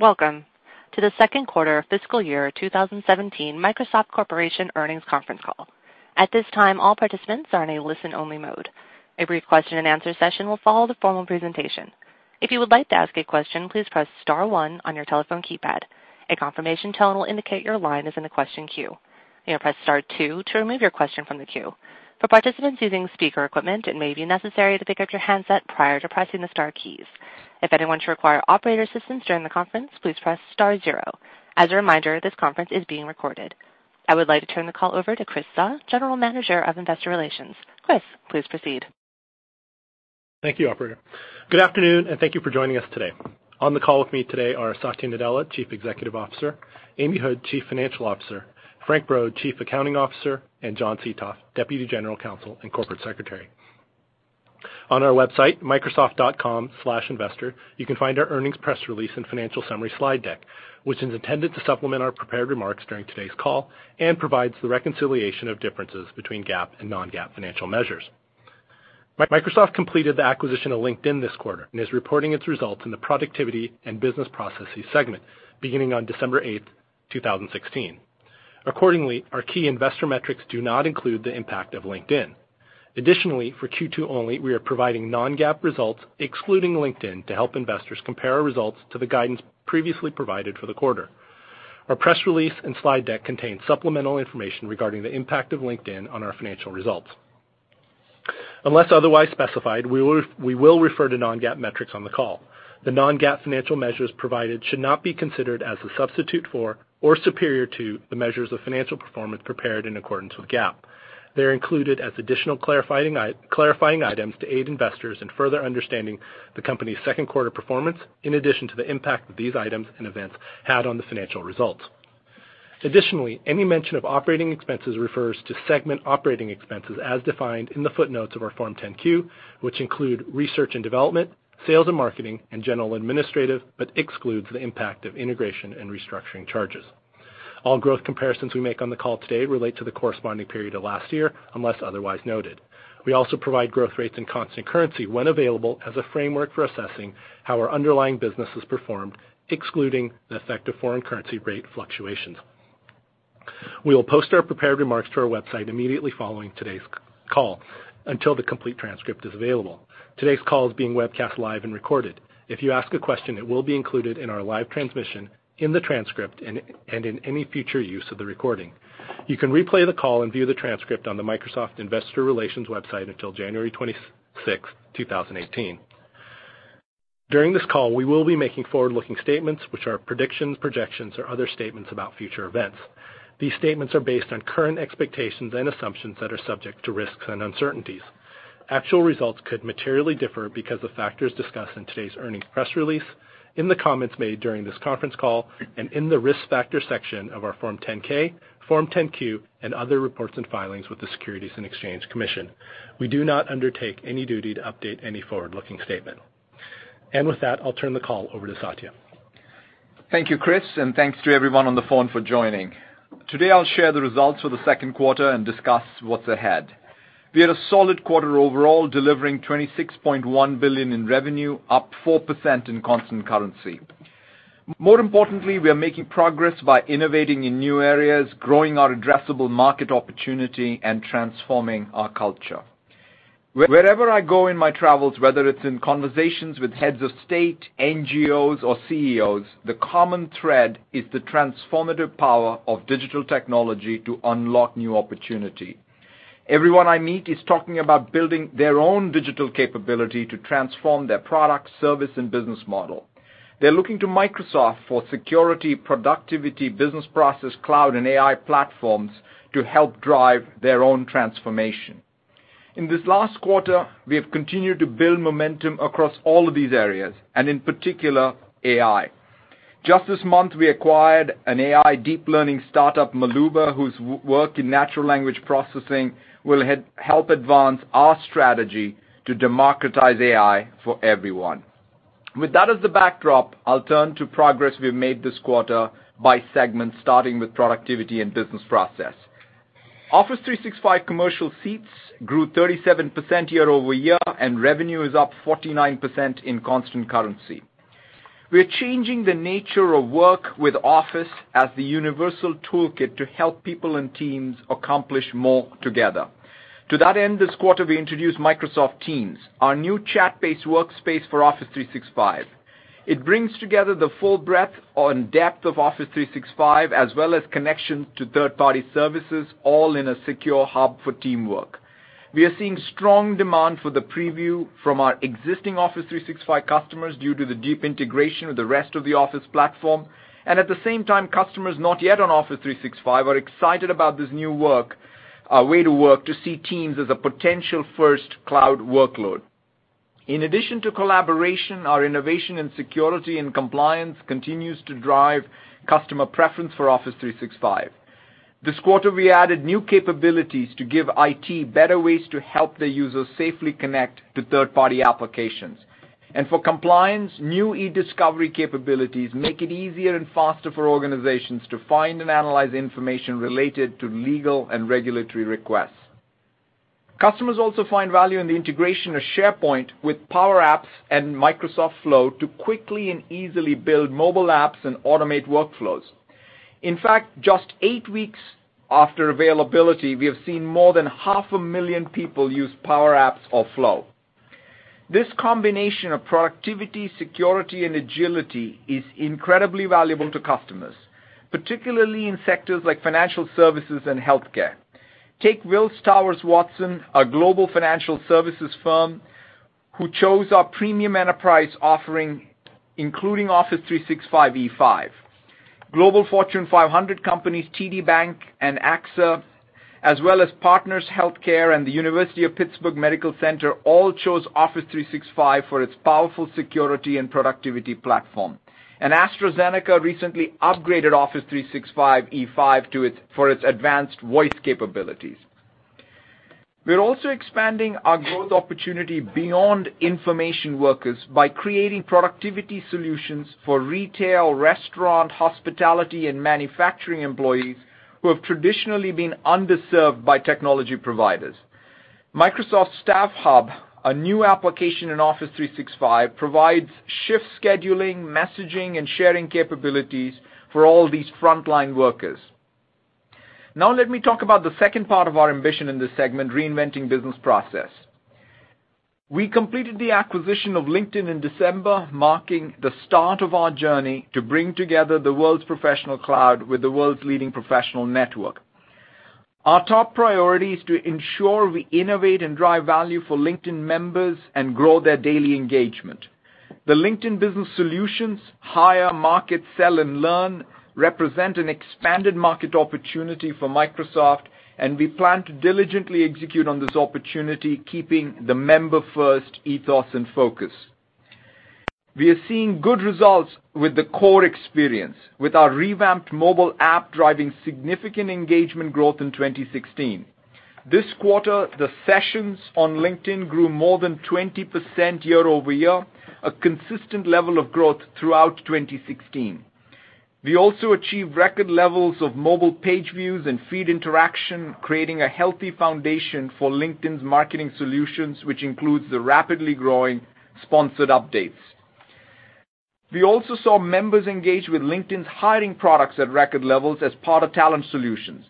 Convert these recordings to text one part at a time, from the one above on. Welcome to the second quarter fiscal year 2017 Microsoft Corporation Earnings Conference Call. At this time, all participants are in a listen-only mode. A brief question-and-answer session will follow the formal presentation. If you would like to ask a question, please press star one on your telephone keypad. A confirmation tone will indicate your line is in the question queue. You may press star two to remove your question from the queue. For participants using speaker equipment, it may be necessary to pick up your handset prior to pressing the star keys. If anyone should require operator assistance during the conference, please press star zero. As a reminder, this conference is being recorded. I would like to turn the call over to Chris Suh, General Manager of Investor Relations. Chris, please proceed. Thank you, Operator. Good afternoon, and thank you for joining us today. On the call with me today are Satya Nadella, Chief Executive Officer; Amy Hood, Chief Financial Officer; Frank Brod, Chief Accounting Officer; and John Seethoff, Deputy General Counsel and Corporate Secretary. On our website, microsoft.com/investor, you can find our earnings press release and financial summary slide deck, which is intended to supplement our prepared remarks during today's call and provides the reconciliation of differences between GAAP and non-GAAP financial measures. Microsoft completed the acquisition of LinkedIn this quarter and is reporting its results in the Productivity and Business Processes segment beginning on December 8th, 2016. Accordingly, our key investor metrics do not include the impact of LinkedIn. Additionally, for Q2 only, we are providing non-GAAP results, excluding LinkedIn to help investors compare our results to the guidance previously provided for the quarter. Our press release and slide deck contain supplemental information regarding the impact of LinkedIn on our financial results. Unless otherwise specified, we will refer to non-GAAP metrics on the call. The non-GAAP financial measures provided should not be considered as a substitute for or superior to the measures of financial performance prepared in accordance with GAAP. They're included as additional clarifying items to aid investors in further understanding the company's second quarter performance in addition to the impact that these items and events had on the financial results. Additionally, any mention of operating expenses refers to segment operating expenses as defined in the footnotes of our Form 10-Q, which include research and development, sales and marketing, and general administrative, but excludes the impact of integration and restructuring charges. All growth comparisons we make on the call today relate to the corresponding period of last year, unless otherwise noted. We also provide growth rates in constant currency when available as a framework for assessing how our underlying business has performed, excluding the effect of foreign currency rate fluctuations. We will post our prepared remarks to our website immediately following today's call until the complete transcript is available. Today's call is being webcast live and recorded. If you ask a question, it will be included in our live transmission, in the transcript, and in any future use of the recording. You can replay the call and view the transcript on the Microsoft Investor Relations website until January 26th, 2018. During this call, we will be making forward-looking statements which are predictions, projections, or other statements about future events. These statements are based on current expectations and assumptions that are subject to risks and uncertainties. Actual results could materially differ because of factors discussed in today's earnings press release, in the comments made during this conference call, and in the risk factor section of our Form 10-K, Form 10-Q, and other reports and filings with the Securities and Exchange Commission. We do not undertake any duty to update any forward-looking statement. With that, I'll turn the call over to Satya. Thank you, Chris, and thanks to everyone on the phone for joining. Today, I'll share the results for the second quarter and discuss what's ahead. We had a solid quarter overall, delivering $26.1 billion in revenue, up 4% in constant currency. We are making progress by innovating in new areas, growing our addressable market opportunity, and transforming our culture. Wherever I go in my travels, whether it's in conversations with heads of state, NGOs or CEOs, the common thread is the transformative power of digital technology to unlock new opportunity. Everyone I meet is talking about building their own digital capability to transform their product, service, and business model. They're looking to Microsoft for security, productivity, business process, cloud, and AI platforms to help drive their own transformation. In this last quarter, we have continued to build momentum across all of these areas and in particular, AI. Just this month, we acquired an AI deep learning startup, Maluuba, whose work in natural language processing will help advance our strategy to democratize AI for everyone. With that as the backdrop, I'll turn to progress we've made this quarter by segment, starting with Productivity and Business Process. Office 365 commercial seats grew 37% year-over-year, and revenue is up 49% in constant currency. We are changing the nature of work with Office as the universal toolkit to help people and teams accomplish more together. To that end, this quarter we introduced Microsoft Teams, our new chat-based workspace for Office 365. It brings together the full breadth and depth of Office 365 as well as connections to third-party services, all in a secure hub for teamwork. We are seeing strong demand for the preview from our existing Office 365 customers due to the deep integration with the rest of the Office platform. At the same time, customers not yet on Office 365 are excited about this new way to work to see Teams as a potential first cloud workload. In addition to collaboration, our innovation in security and compliance continues to drive customer preference for Office 365. This quarter, we added new capabilities to give IT better ways to help their users safely connect to third-party applications. For compliance, new e-discovery capabilities make it easier and faster for organizations to find and analyze information related to legal and regulatory requests. Customers also find value in the integration of SharePoint with Power Apps and Microsoft Flow to quickly and easily build mobile apps and automate workflows. In fact, just eight weeks after availability, we have seen more than 500,000 people use Power Apps or Flow. This combination of productivity, security, and agility is incredibly valuable to customers, particularly in sectors like financial services and healthcare. Take Willis Towers Watson, a global financial services firm who chose our premium enterprise offering, including Office 365 E5. Global Fortune 500 companies TD Bank and AXA, as well as Partners HealthCare, and the University of Pittsburgh Medical Center all chose Office 365 for its powerful security and productivity platform. AstraZeneca recently upgraded Office 365 E5 for its advanced voice capabilities. We're also expanding our growth opportunity beyond information workers by creating productivity solutions for retail, restaurant, hospitality, and manufacturing employees who have traditionally been underserved by technology providers. Microsoft StaffHub, a new application in Office 365, provides shift scheduling, messaging, and sharing capabilities for all these frontline workers. Let me talk about the second part of our ambition in this segment, reinventing business process. We completed the acquisition of LinkedIn in December, marking the start of our journey to bring together the world's professional cloud with the world's leading professional network. Our top priority is to ensure we innovate and drive value for LinkedIn members and grow their daily engagement. The LinkedIn Business Solutions hire, market, sell, and learn represent an expanded market opportunity for Microsoft. We plan to diligently execute on this opportunity, keeping the member-first ethos and focus. We are seeing good results with the core experience, with our revamped mobile app driving significant engagement growth in 2016. This quarter, the sessions on LinkedIn grew more than 20% year-over-year, a consistent level of growth throughout 2016. We also achieved record levels of mobile page views and feed interaction, creating a healthy foundation for LinkedIn's marketing solutions, which includes the rapidly growing sponsored updates. We also saw members engage with LinkedIn's hiring products at record levels as part of Talent Solutions.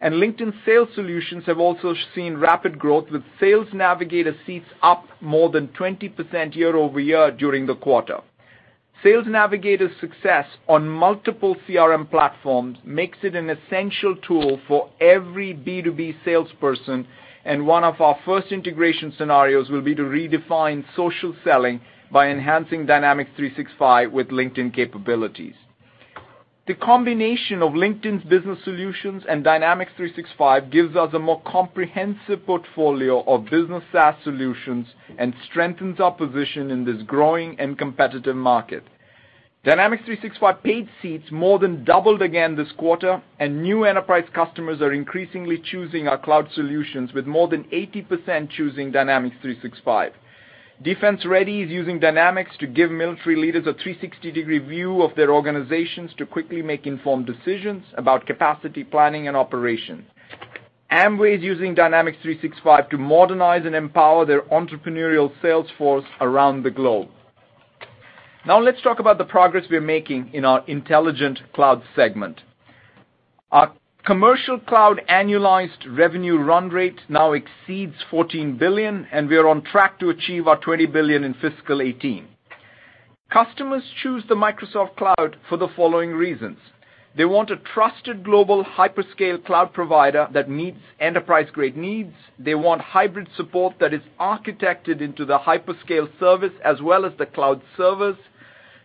LinkedIn Sales Solutions have also seen rapid growth with Sales Navigator seats up more than 20% year-over-year during the quarter. Sales Navigator's success on multiple CRM platforms makes it an essential tool for every B2B salesperson, and one of our first integration scenarios will be to redefine social selling by enhancing Dynamics 365 with LinkedIn capabilities. The combination of LinkedIn's business solutions and Dynamics 365 gives us a more comprehensive portfolio of business SaaS solutions and strengthens our position in this growing and competitive market. Dynamics 365 paid seats more than doubled again this quarter, and new enterprise customers are increasingly choosing our cloud solutions with more than 80% choosing Dynamics 365. DefenseReady is using Dynamics to give military leaders a 360-degree view of their organizations to quickly make informed decisions about capacity planning and operations. Amway is using Dynamics 365 to modernize and empower their entrepreneurial sales force around the globe. Now let's talk about the progress we are making in our Intelligent Cloud segment. Our commercial cloud annualized revenue run rate now exceeds $14 billion, and we are on track to achieve our $20 billion in fiscal 2018. Customers choose the Microsoft Cloud for the following reasons. They want a trusted global hyperscale cloud provider that meets enterprise-grade needs. They want hybrid support that is architected into the hyperscale service as well as the cloud service.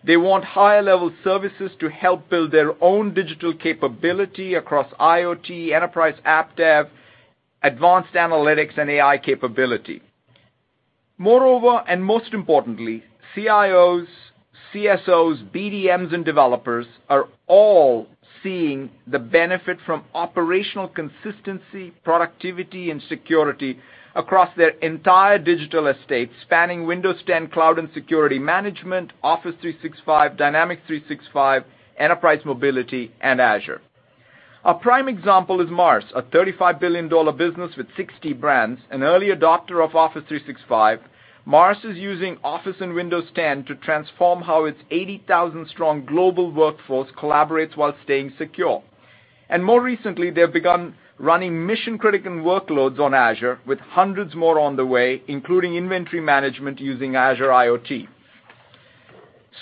They want higher-level services to help build their own digital capability across IoT, enterprise app dev, advanced analytics, and AI capability. Moreover, and most importantly, CIOs, CSOs, BDMs, and developers are all seeing the benefit from operational consistency, productivity, and security across their entire digital estate, spanning Windows 10 Cloud and Security Management, Office 365, Dynamics 365, Enterprise Mobility, and Azure. A prime example is Mars, a $35 billion business with 60 brands. An early adopter of Office 365, Mars is using Office and Windows 10 to transform how its 80,000-strong global workforce collaborates while staying secure. More recently, they have begun running mission-critical workloads on Azure with hundreds more on the way, including inventory management using Azure IoT.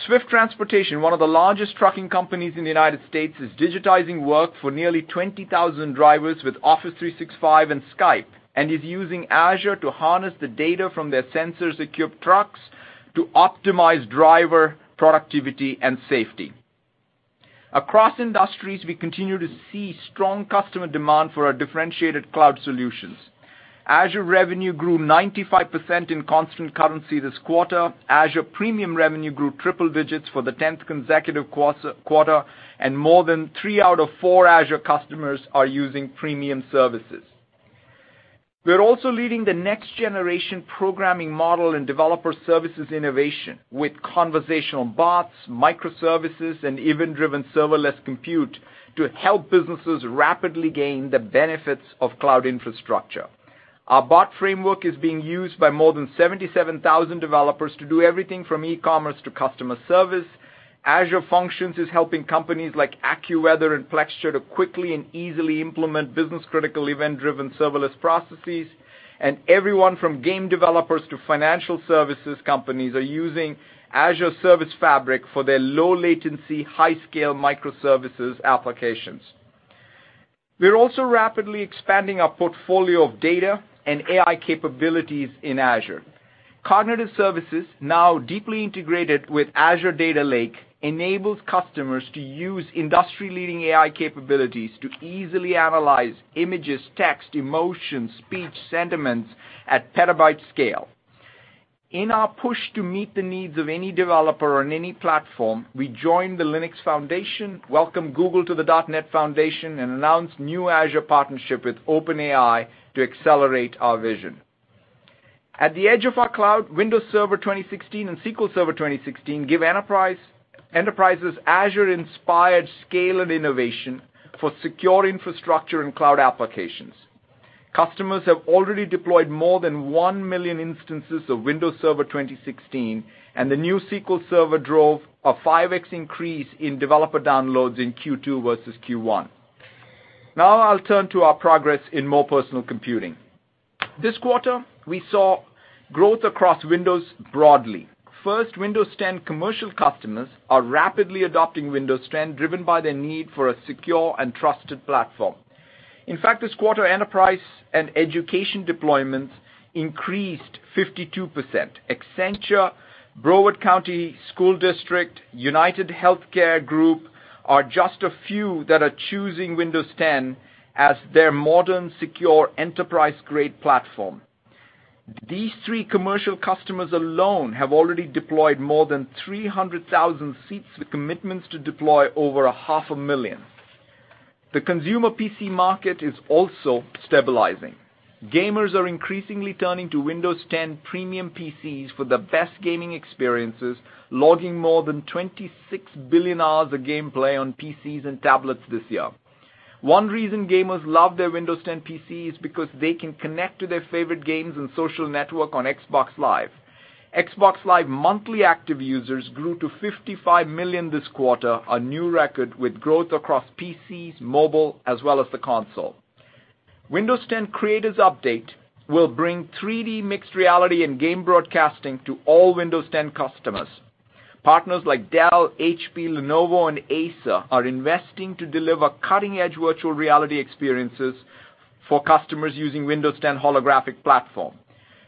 Swift Transportation, one of the largest trucking companies in the United States, is digitizing work for nearly 20,000 drivers with Office 365 and Skype and is using Azure to harness the data from their sensors-equipped trucks to optimize driver productivity and safety. Across industries, we continue to see strong customer demand for our differentiated cloud solutions. Azure revenue grew 95% in constant currency this quarter. Azure premium revenue grew triple digits for the 10th consecutive quarter, and more than three out of four Azure customers are using premium services. We're also leading the next-generation programming model in developer services innovation with conversational bots, microservices, and event-driven serverless compute to help businesses rapidly gain the benefits of cloud infrastructure. Our bot framework is being used by more than 77,000 developers to do everything from e-commerce to customer service. Azure Functions is helping companies like AccuWeather and Flexera to quickly and easily implement business-critical event-driven serverless processes. Everyone from game developers to financial services companies are using Azure Service Fabric for their low latency, high scale microservices applications. We're also rapidly expanding our portfolio of data and AI capabilities in Azure. Cognitive Services, now deeply integrated with Azure Data Lake, enables customers to use industry-leading AI capabilities to easily analyze images, text, emotions, speech, sentiments at petabyte scale. In our push to meet the needs of any developer on any platform, we joined the Linux Foundation, welcomed Google to the .NET Foundation, and announced new Azure partnership with OpenAI to accelerate our vision. At the edge of our cloud, Windows Server 2016 and SQL Server 2016 give enterprises Azure-inspired scale and innovation for secure infrastructure and cloud applications. Customers have already deployed more than 1 million instances of Windows Server 2016, and the new SQL Server drove a 5x increase in developer downloads in Q2 versus Q1. Now I'll turn to our progress in More Personal Computing. This quarter, we saw growth across Windows broadly. First, Windows 10 commercial customers are rapidly adopting Windows 10, driven by their need for a secure and trusted platform. In fact, this quarter, enterprise and education deployments increased 52%. Accenture, Broward County School District, UnitedHealthcare Group are just a few that are choosing Windows 10 as their modern, secure, enterprise-grade platform. These three commercial customers alone have already deployed more than 300,000 seats with commitments to deploy over 500,000. The consumer PC market is also stabilizing. Gamers are increasingly turning to Windows 10 premium PCs for the best gaming experiences, logging more than 26 billion hours of gameplay on PCs and tablets this year. One reason gamers love their Windows 10 PC is because they can connect to their favorite games and social network on Xbox Live. Xbox Live monthly active users grew to 55 million this quarter, a new record with growth across PCs, mobile, as well as the console. Windows 10 Creators Update will bring 3D mixed reality and game broadcasting to all Windows 10 customers. Partners like Dell, HP, Lenovo, and Acer are investing to deliver cutting-edge virtual reality experiences for customers using Windows 10 holographic platform.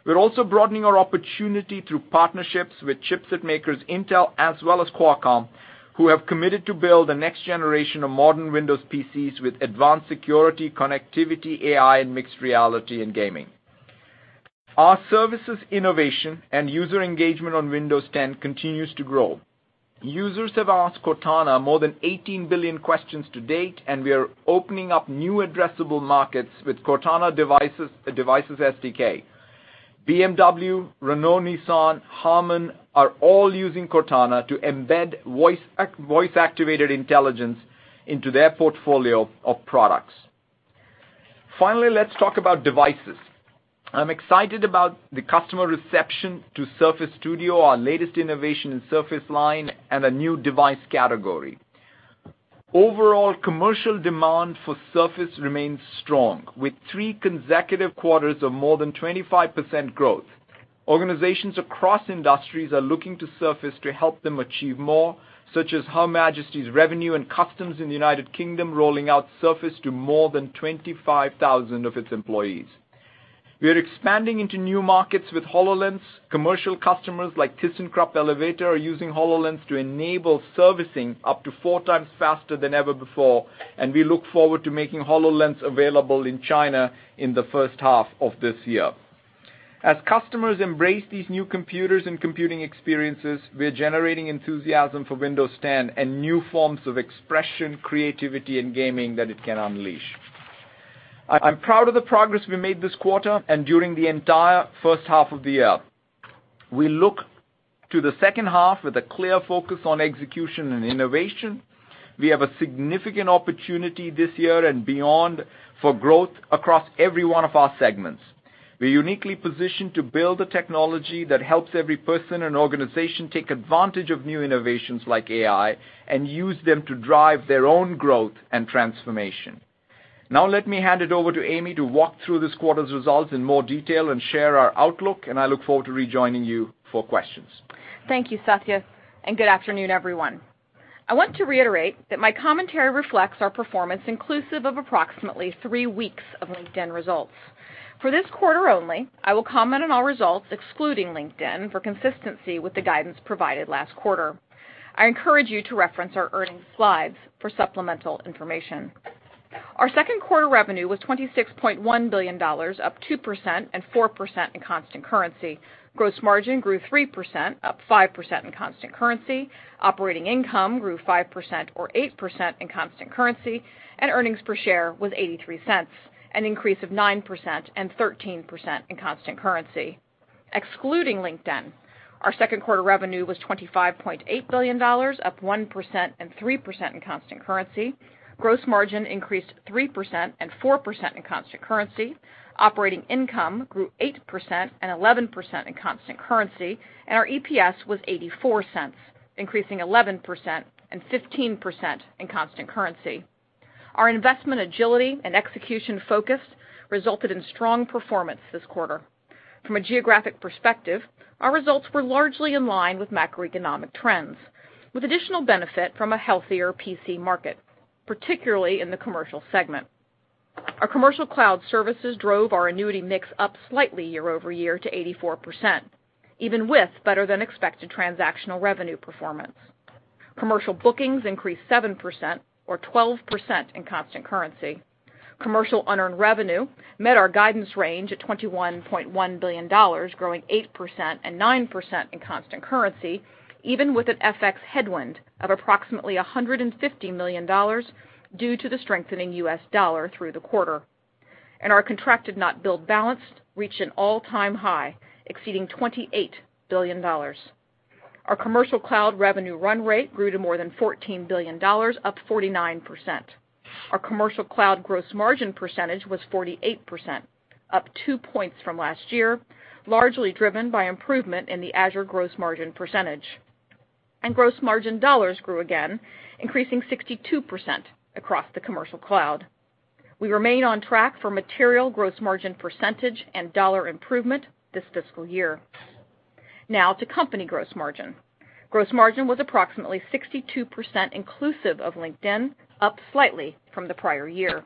We're also broadening our opportunity through partnerships with chipset makers Intel as well as Qualcomm, who have committed to build the next generation of modern Windows PCs with advanced security, connectivity, AI, and mixed reality in gaming. Our services innovation and user engagement on Windows 10 continues to grow. Users have asked Cortana more than 18 billion questions to date, and we are opening up new addressable markets with Cortana Devices SDK. BMW, Renault-Nissan, Harman are all using Cortana to embed voice-activated intelligence into their portfolio of products. Finally, let's talk about devices. I'm excited about the customer reception to Surface Studio, our latest innovation in Surface line and a new device category. Overall, commercial demand for Surface remains strong, with three consecutive quarters of more than 25% growth. Organizations across industries are looking to Surface to help them achieve more, such as Her Majesty's Revenue and Customs in the U.K. rolling out Surface to more than 25,000 of its employees. We are expanding into new markets with HoloLens. Commercial customers like thyssenkrupp Elevator are using HoloLens to enable servicing up to 4x faster than ever before, and we look forward to making HoloLens available in China in the first half of this year. As customers embrace these new computers and computing experiences, we're generating enthusiasm for Windows 10 and new forms of expression, creativity, and gaming that it can unleash. I'm proud of the progress we made this quarter and during the entire first half of the year. We look to the second half with a clear focus on execution and innovation. We have a significant opportunity this year and beyond for growth across every one of our segments. We're uniquely positioned to build the technology that helps every person and organization take advantage of new innovations like AI and use them to drive their own growth and transformation. Now let me hand it over to Amy to walk through this quarter's results in more detail and share our outlook, and I look forward to rejoining you for questions. Thank you, Satya, good afternoon, everyone. I want to reiterate that my commentary reflects our performance inclusive of approximately three weeks of LinkedIn results. For this quarter only, I will comment on our results excluding LinkedIn for consistency with the guidance provided last quarter. I encourage you to reference our earnings slides for supplemental information. Our second quarter revenue was $26.1 billion, up 2% and 4% in constant currency. Gross margin grew 3%, up 5% in constant currency. Operating income grew 5% or 8% in constant currency, earnings per share was $0.83, an increase of 9% and 13% in constant currency. Excluding LinkedIn, our second quarter revenue was $25.8 billion, up 1% and 3% in constant currency. Gross margin increased 3% and 4% in constant currency. Operating income grew 8% and 11% in constant currency. Our EPS was $0.84, increasing 11% and 15% in constant currency. Our investment agility and execution focus resulted in strong performance this quarter. From a geographic perspective, our results were largely in line with macroeconomic trends, with additional benefit from a healthier PC market, particularly in the commercial segment. Our Commercial Cloud services drove our annuity mix up slightly year-over-year to 84%, even with better-than-expected transactional revenue performance. Commercial bookings increased 7% or 12% in constant currency. Commercial unearned revenue met our guidance range at $21.1 billion, growing 8% and 9% in constant currency, even with an FX headwind of approximately $150 million due to the strengthening U.S. dollar through the quarter. Our contracted not billed balance reached an all-time high, exceeding $28 billion. Our Commercial Cloud revenue run rate grew to more than $14 billion, up 49%. Our Commercial Cloud gross margin percentage was 48%, up 2 points from last year, largely driven by improvement in the Azure gross margin percentage. Gross margin dollars grew again, increasing 62% across the Commercial Cloud. We remain on track for material gross margin percentage and dollar improvement this fiscal year. Now to company gross margin. Gross margin was approximately 62% inclusive of LinkedIn, up slightly from the prior year.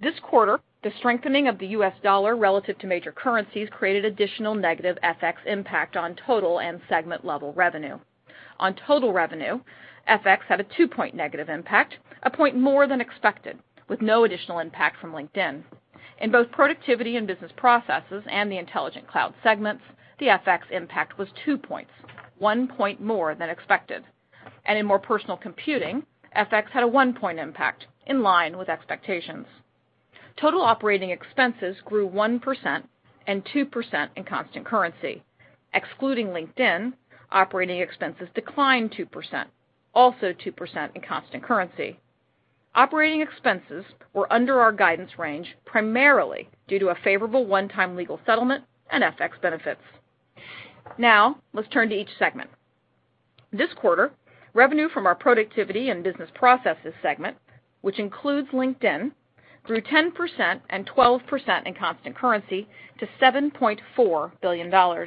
This quarter, the strengthening of the U.S. dollar relative to major currencies created additional negative FX impact on total and segment-level revenue. On total revenue, FX had a 2-point negative impact, 1 point more than expected, with no additional impact from LinkedIn. In both Productivity and Business Processes and the Intelligent Cloud segments, the FX impact was 2 points, 1 point more than expected. In More Personal Computing, FX had a 1-point impact in line with expectations. Total operating expenses grew 1% and 2% in constant currency. Excluding LinkedIn, operating expenses declined 2%, also 2% in constant currency. Operating expenses were under our guidance range, primarily due to a favorable one-time legal settlement and FX benefits. Now let's turn to each segment. This quarter, revenue from our Productivity and Business Processes segment, which includes LinkedIn, grew 10% and 12% in constant currency to $7.4 billion.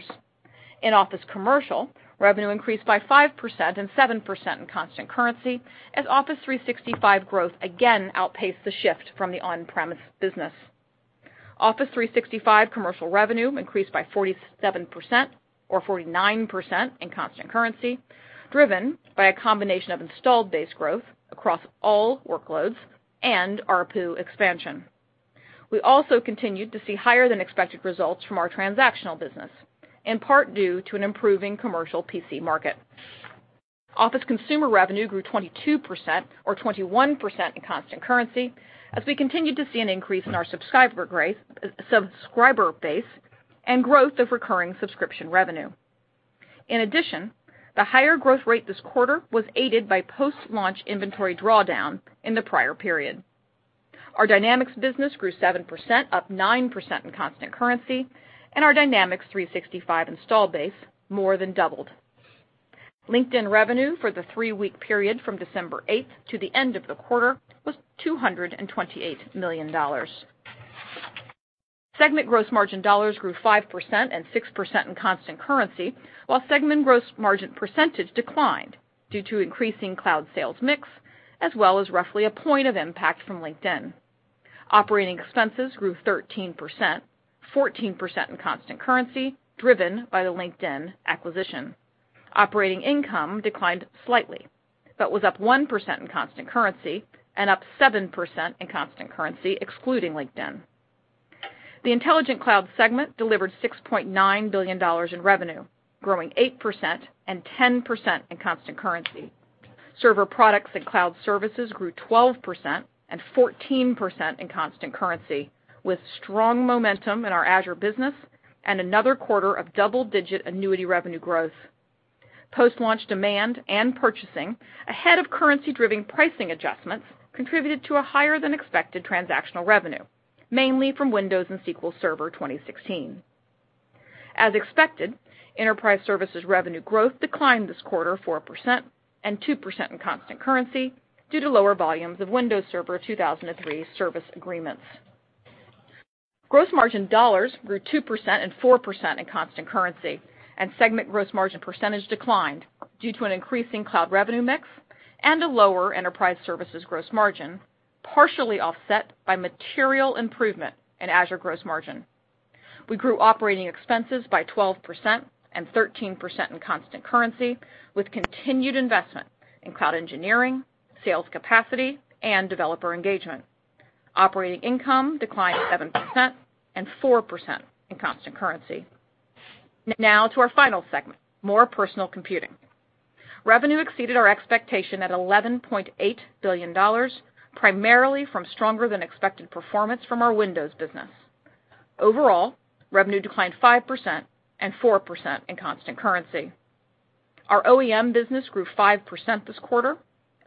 In Office Commercial, revenue increased by 5% and 7% in constant currency as Office 365 growth again outpaced the shift from the on-premise business. Office 365 commercial revenue increased by 47% or 49% in constant currency, driven by a combination of installed base growth across all workloads and ARPU expansion. We also continued to see higher than expected results from our transactional business, in part due to an improving commercial PC market. Office consumer revenue grew 22% or 21% in constant currency as we continued to see an increase in our subscriber base and growth of recurring subscription revenue. In addition, the higher growth rate this quarter was aided by post-launch inventory drawdown in the prior period. Our Dynamics business grew 7%, up 9% in constant currency, and our Dynamics 365 install base more than doubled. LinkedIn revenue for the three-week period from December 8th to the end of the quarter was $228 million. Segment gross margin dollars grew 5% and 6% in constant currency, while segment gross margin percentage declined due to increasing cloud sales mix as well as roughly a point of impact from LinkedIn. Operating expenses grew 13%, 14% in constant currency, driven by the LinkedIn acquisition. Operating income declined slightly, but was up 1% in constant currency and up 7% in constant currency excluding LinkedIn. The Intelligent Cloud segment delivered $6.9 billion in revenue, growing 8% and 10% in constant currency. Server products and cloud services grew 12% and 14% in constant currency, with strong momentum in our Azure business and another quarter of double-digit annuity revenue growth. Post-launch demand and purchasing ahead of currency-driven pricing adjustments contributed to a higher than expected transactional revenue, mainly from Windows and SQL Server 2016. As expected, enterprise services revenue growth declined this quarter 4% and 2% in constant currency due to lower volumes of Windows Server 2003 service agreements. Gross margin dollars grew 2% and 4% in constant currency, and segment gross margin percentage declined due to an increasing cloud revenue mix and a lower enterprise services gross margin, partially offset by material improvement in Azure gross margin. We grew operating expenses by 12% and 13% in constant currency with continued investment in cloud engineering, sales capacity, and developer engagement. Operating income declined 7% and 4% in constant currency. Now to our final segment, More Personal Computing. Revenue exceeded our expectation at $11.8 billion, primarily from stronger than expected performance from our Windows business. Overall, revenue declined 5% and 4% in constant currency. Our OEM business grew 5% this quarter.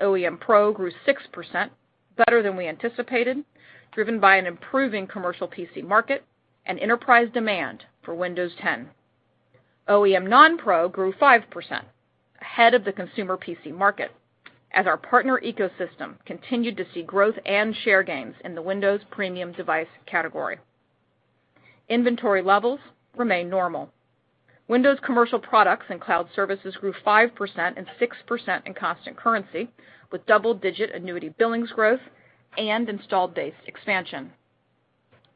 OEM Pro grew 6%, better than we anticipated, driven by an improving commercial PC market and enterprise demand for Windows 10. OEM non-Pro grew 5%, ahead of the consumer PC market, as our partner ecosystem continued to see growth and share gains in the Windows premium device category. Inventory levels remain normal. Windows Commercial products and cloud services grew 5% and 6% in constant currency, with double-digit annuity billings growth and installed base expansion.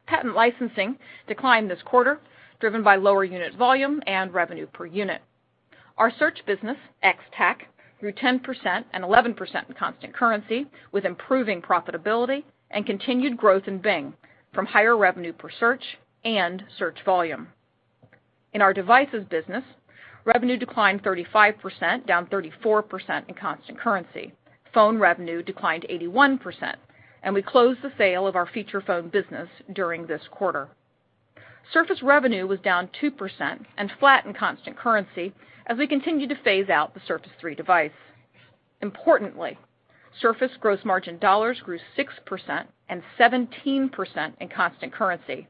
Patent licensing declined this quarter, driven by lower unit volume and revenue per unit. Our search business, ex-TAC, grew 10% and 11% in constant currency, with improving profitability and continued growth in Bing from higher revenue per search and search volume. In our devices business, revenue declined 35%, down 34% in constant currency. Phone revenue declined 81%, we closed the sale of our feature phone business during this quarter. Surface revenue was down 2% and flat in constant currency as we continue to phase out the Surface 3 device. Importantly, Surface gross margin dollars grew 6% and 17% in constant currency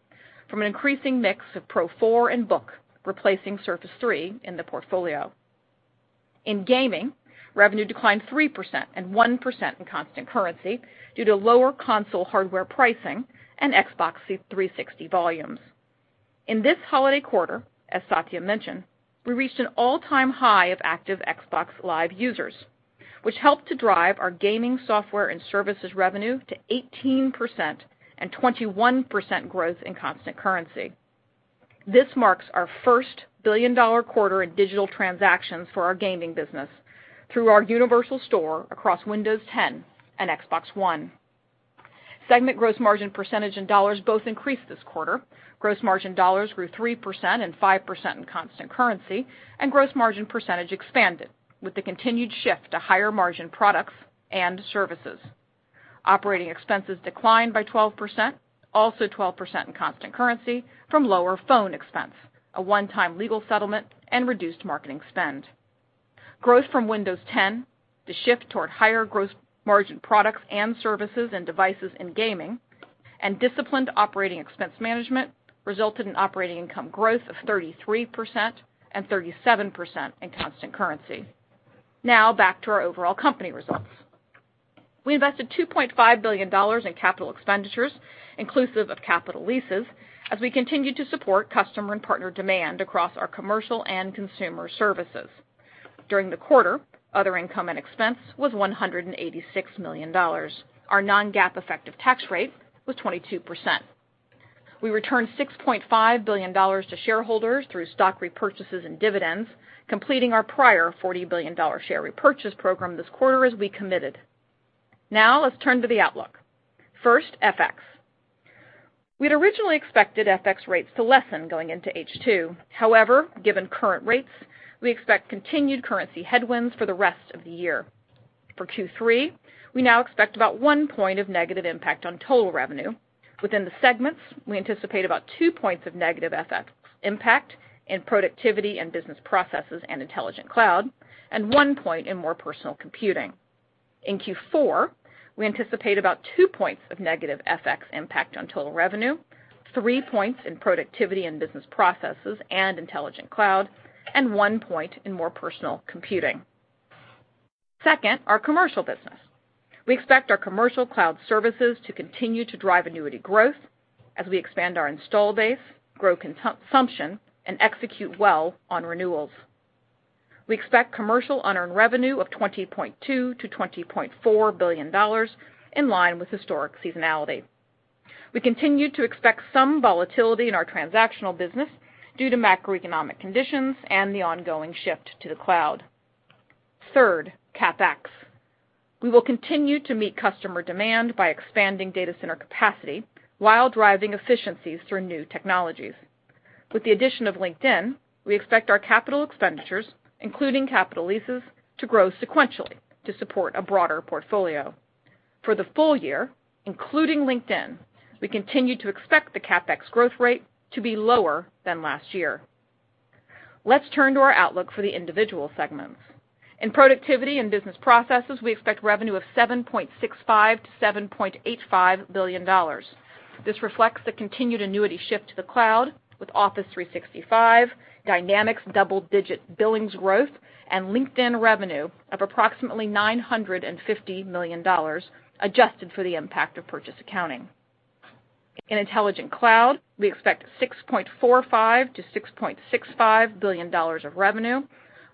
from an increasing mix of Pro 4 and Book replacing Surface 3 in the portfolio. In gaming, revenue declined 3% and 1% in constant currency due to lower console hardware pricing and Xbox 360 volumes. In this holiday quarter, as Satya mentioned, we reached an all-time high of active Xbox Live users, which helped to drive our gaming software and services revenue to 18% and 21% growth in constant currency. This marks our first $1 billion-dollar quarter in digital transactions for our gaming business through our universal store across Windows 10 and Xbox One. Segment gross margin percentage in dollars both increased this quarter. Gross margin dollars grew 3% and 5% in constant currency, gross margin percentage expanded with the continued shift to higher margin products and services. Operating expenses declined by 12%, also 12% in constant currency from lower phone expense, a one-time legal settlement and reduced marketing spend. Growth from Windows 10, the shift toward higher gross margin products and services and devices in gaming, disciplined operating expense management resulted in operating income growth of 33% and 37% in constant currency. Back to our overall company results. We invested $2.5 billion in capital expenditures, inclusive of capital leases, as we continued to support customer and partner demand across our commercial and consumer services. During the quarter, other income and expense was $186 million. Our non-GAAP effective tax rate was 22%. We returned $6.5 billion to shareholders through stock repurchases and dividends, completing our prior $40 billion share repurchase program this quarter as we committed. Now let's turn to the outlook. First, FX. We'd originally expected FX rates to lessen going into H2. However, given current rates, we expect continued currency headwinds for the rest of the year. For Q3, we now expect about 1 point of negative impact on total revenue. Within the segments, we anticipate about 2 points of negative FX impact in Productivity and Business Processes and Intelligent Cloud, and 1 point in More Personal Computing. In Q4, we anticipate about 2 points of negative FX impact on total revenue, 3 points in Productivity and Business Processes and Intelligent Cloud, and 1 point in More Personal Computing. Second, our commercial business. We expect our commercial cloud services to continue to drive annuity growth as we expand our install base, grow consumption, and execute well on renewals. We expect commercial unearned revenue of $20.2 billion-$20.4 billion in line with historic seasonality. We continue to expect some volatility in our transactional business due to macroeconomic conditions and the ongoing shift to the cloud. Third, CapEx. We will continue to meet customer demand by expanding data center capacity while driving efficiencies through new technologies. With the addition of LinkedIn, we expect our capital expenditures, including capital leases, to grow sequentially to support a broader portfolio. For the full year, including LinkedIn, we continue to expect the CapEx growth rate to be lower than last year. Let's turn to our outlook for the individual segments. In Productivity and Business Processes, we expect revenue of $7.65 billion-$7.85 billion. This reflects the continued annuity shift to the cloud with Office 365, Dynamics double-digit billings growth, and LinkedIn revenue of approximately $950 million, adjusted for the impact of purchase accounting. In Intelligent Cloud, we expect $6.45 billion-$6.65 billion of revenue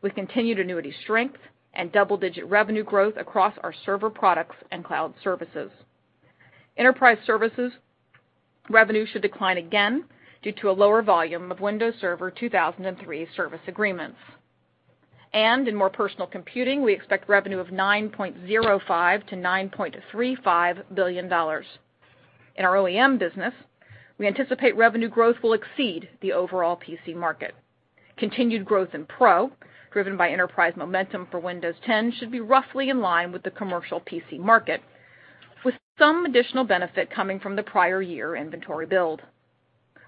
with continued annuity strength and double-digit revenue growth across our server products and cloud services. Enterprise services revenue should decline again due to a lower volume of Windows Server 2003 service agreements. In More Personal Computing, we expect revenue of $9.05 billion-$9.35 billion. In our OEM business, we anticipate revenue growth will exceed the overall PC market. Continued growth in Pro, driven by enterprise momentum for Windows 10 should be roughly in line with the commercial PC market, with some additional benefit coming from the prior year inventory build.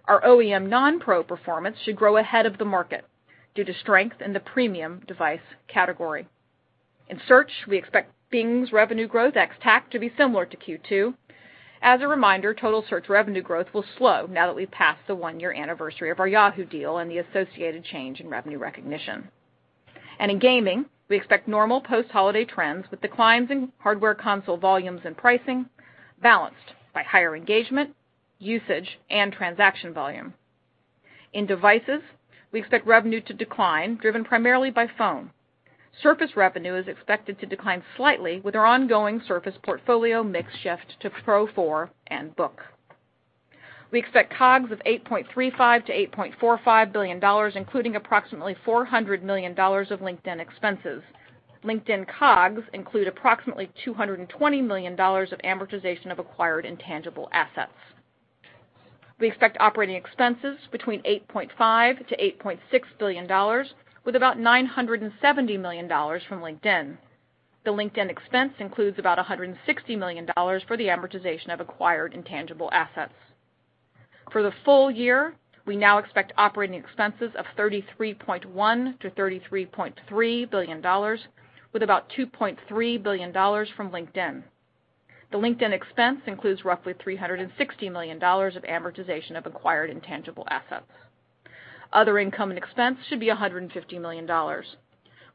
Our OEM non-Pro performance should grow ahead of the market due to strength in the premium device category. In search, we expect Bing's revenue growth ex-TAC to be similar to Q2. As a reminder, total search revenue growth will slow now that we've passed the one-year anniversary of our Yahoo deal and the associated change in revenue recognition. In gaming, we expect normal post-holiday trends with declines in hardware console volumes and pricing balanced by higher engagement, usage, and transaction volume. In devices, we expect revenue to decline, driven primarily by phone. Surface revenue is expected to decline slightly with our ongoing Surface portfolio mix shift to Pro 4 and Book. We expect COGS of $8.35 billion-$8.45 billion, including approximately $400 million of LinkedIn expenses. LinkedIn COGS include approximately $220 million of amortization of acquired intangible assets. We expect operating expenses between $8.5 billion-$8.6 billion with about $970 million from LinkedIn. The LinkedIn expense includes about $160 million for the amortization of acquired intangible assets. For the full year, we now expect operating expenses of $33.1 billion-$33.3 billion with about $2.3 billion from LinkedIn. The LinkedIn expense includes roughly $360 million of amortization of acquired intangible assets. Other income and expense should be $150 million.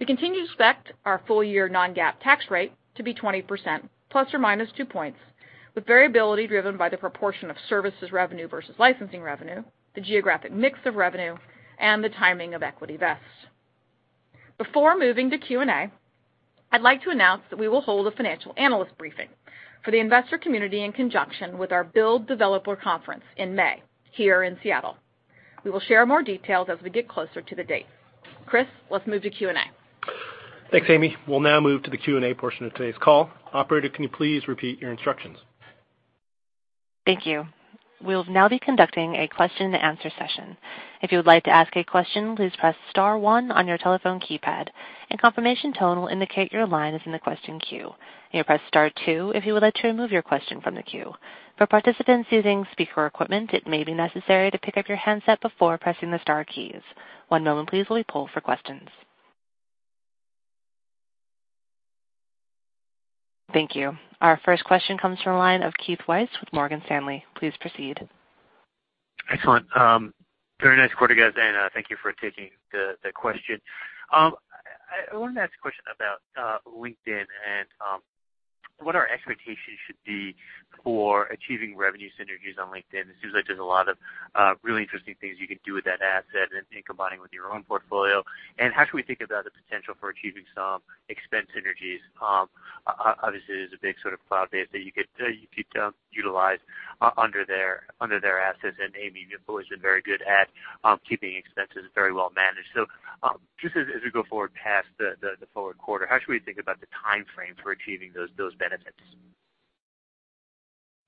We continue to expect our full year non-GAAP tax rate to be 20% ±2 points, with variability driven by the proportion of services revenue versus licensing revenue, the geographic mix of revenue, and the timing of equity vests. Before moving to Q&A, I'd like to announce that we will hold a financial analyst briefing for the investor community in conjunction with our Build Developer Conference in May here in Seattle. We will share more details as we get closer to the date. Chris, let's move to Q&A. Thanks, Amy. We'll now move to the Q&A portion of today's call. Operator, can you please repeat your instructions? Thank you. We'll now be conducting a question-and-answer session. If you would like to ask a question please press star one on your telephone keypad. A confirmation tone would indicate your line is in the question queue. You may press star two if you would like to remove your question from the queue. For participants using speaker equipment, it may be necessary to pick up your handset before pressing the star keys. One moment please as we poll for questions. Thank you. Our first question comes from the line of Keith Weiss with Morgan Stanley. Please proceed. Excellent. Very nice quarter, guys, and thank you for taking the question. I wanted to ask a question about LinkedIn and what our expectations should be for achieving revenue synergies on LinkedIn. It seems like there's a lot of really interesting things you can do with that asset and combining with your own portfolio. How should we think about the potential for achieving some expense synergies? Obviously, there's a big sort of cloud base that you could utilize under their assets. Amy, you've always been very good at keeping expenses very well managed. Just as we go forward past the forward quarter, how should we think about the time frame for achieving those benefits?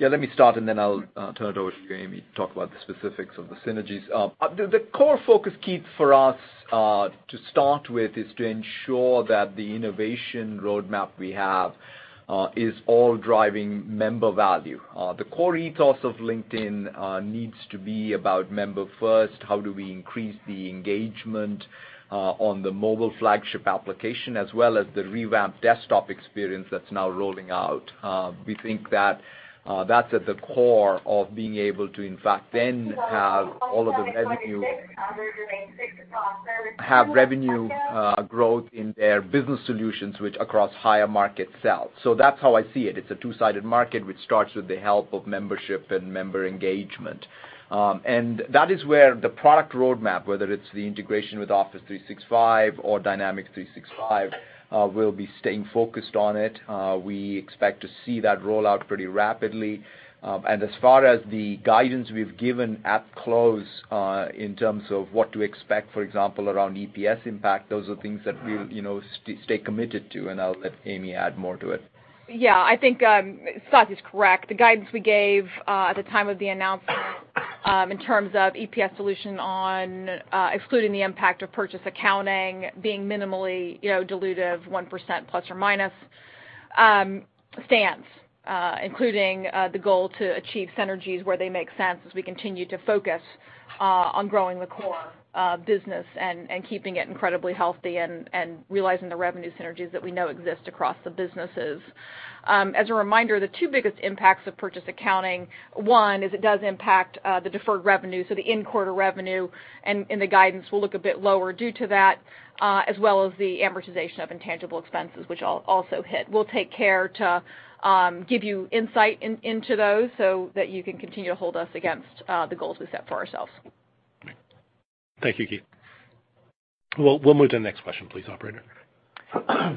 Yeah, let me start, and then I'll turn it over to you, Amy, to talk about the specifics of the synergies. The core focus, Keith, for us, to start with is to ensure that the innovation roadmap we have, is all driving member value. The core ethos of LinkedIn needs to be about member first, how do we increase the engagement on the mobile flagship application, as well as the revamped desktop experience that's now rolling out. We think that's at the core of being able to, in fact, then have all of the have revenue growth in their business solutions which across higher market sell. That's how I see it. It's a two-sided market which starts with the help of membership and member engagement. That is where the product roadmap, whether it's the integration with Office 365 or Dynamics 365, we'll be staying focused on it. We expect to see that roll out pretty rapidly. As far as the guidance we've given at close, in terms of what to expect, for example, around EPS impact, those are things that we'll, you know, stay committed to, and I'll let Amy add more to it. Yeah. I think Satya's correct. The guidance we gave at the time of the announcement, in terms of EPS dilution on excluding the impact of purchase accounting being minimally dilutive 1%±, stands including the goal to achieve synergies where they make sense as we continue to focus on growing the core business and keeping it incredibly healthy and realizing the revenue synergies that we know exist across the businesses. As a reminder, the two biggest impacts of purchase accounting, one is it does impact the deferred revenue, so the in-quarter revenue and the guidance will look a bit lower due to that, as well as the amortization of intangible expenses, which also hit. We'll take care to give you insight into those so that you can continue to hold us against the goals we set for ourselves. Thank you, Keith. We'll move to the next question please, Operator.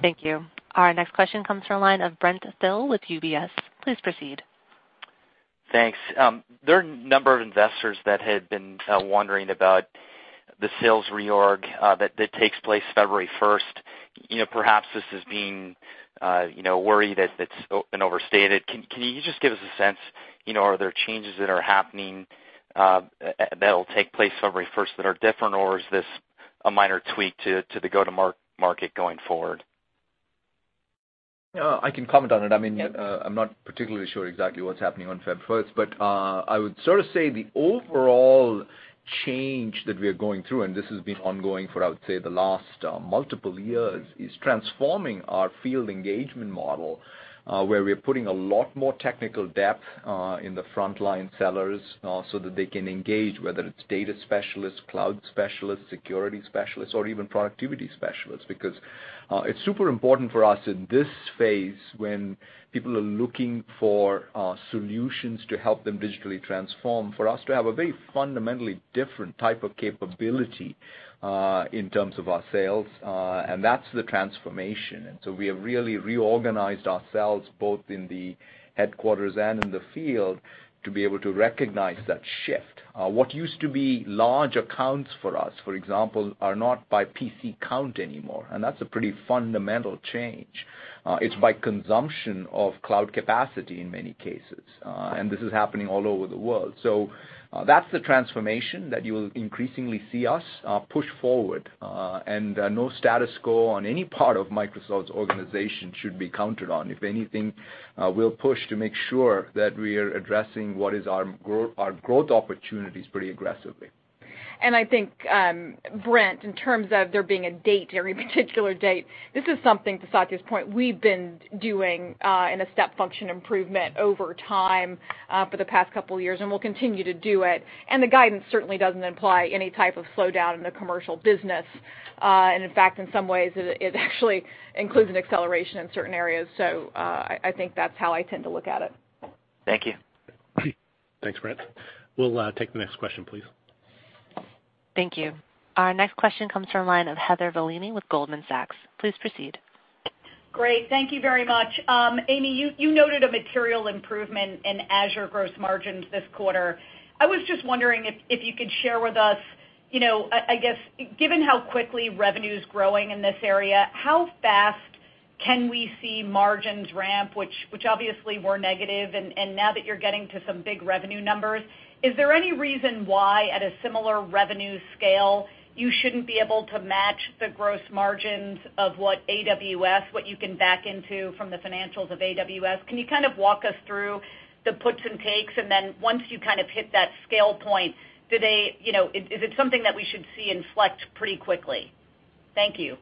Thank you. Our next question comes from a line of Brent Thill with UBS. Please proceed. Thanks. There are a number of investors that had been wondering about the sales reorg that takes place February 1st, you know, perhaps this is being, you know, worried that it's been overstated. Can you just give us a sense, you know, are there changes that are happening and that'll take place February 1st that are different or is this a minor tweak to the go-to-market going forward? I can comment on it. Yes. I'm not particularly sure exactly what's happening on Feb 1st, but I would sort of say the overall change that we are going through, and this has been ongoing for I would say the last multiple years, is transforming our field engagement model, where we are putting a lot more technical depth in the frontline sellers, so that they can engage, whether it's data specialists, cloud specialists, security specialists, or even productivity specialists, because it's super important for us in this phase when people are looking for solutions to help them digitally transform, for us to have a very fundamentally different type of capability in terms of our sales, and that's the transformation. We have really reorganized ourselves both in the headquarters and in the field to be able to recognize that shift. What used to be large accounts for us, for example, are not by PC count anymore, and that's a pretty fundamental change. It's by consumption of cloud capacity in many cases, and this is happening all over the world. That's the transformation that you'll increasingly see us push forward, and no status quo on any part of Microsoft's organization should be counted on. If anything, we'll push to make sure that we are addressing what is our growth opportunities pretty aggressively. I think, Brent, in terms of there being a date, a very particular date, this is something, to Satya's point, we've been doing in a step function improvement over time, for the past couple years and we'll continue to do it. The guidance certainly doesn't imply any type of slowdown in the commercial business. In fact, in some ways, it actually includes an acceleration in certain areas. I think that's how I tend to look at it. Thank you. Thanks, Brent. We'll take the next question, please. Thank you. Our next question comes from line of Heather Bellini with Goldman Sachs. Please proceed. Great. Thank you very much. Amy, you noted a material improvement in Azure gross margins this quarter. I was just wondering if you could share with us, you know, I guess, given how quickly revenue's growing in this area, how fast can we see margins ramp, which obviously were negative and now that you're getting to some big revenue numbers, is there any reason why at a similar revenue scale you shouldn't be able to match the gross margins of what AWS, what you can back into from the financials of AWS? Can you kind of walk us through the puts and takes? Then once you kind of hit that scale point, do they, you know, is it something that we should see inflect pretty quickly? Thank you.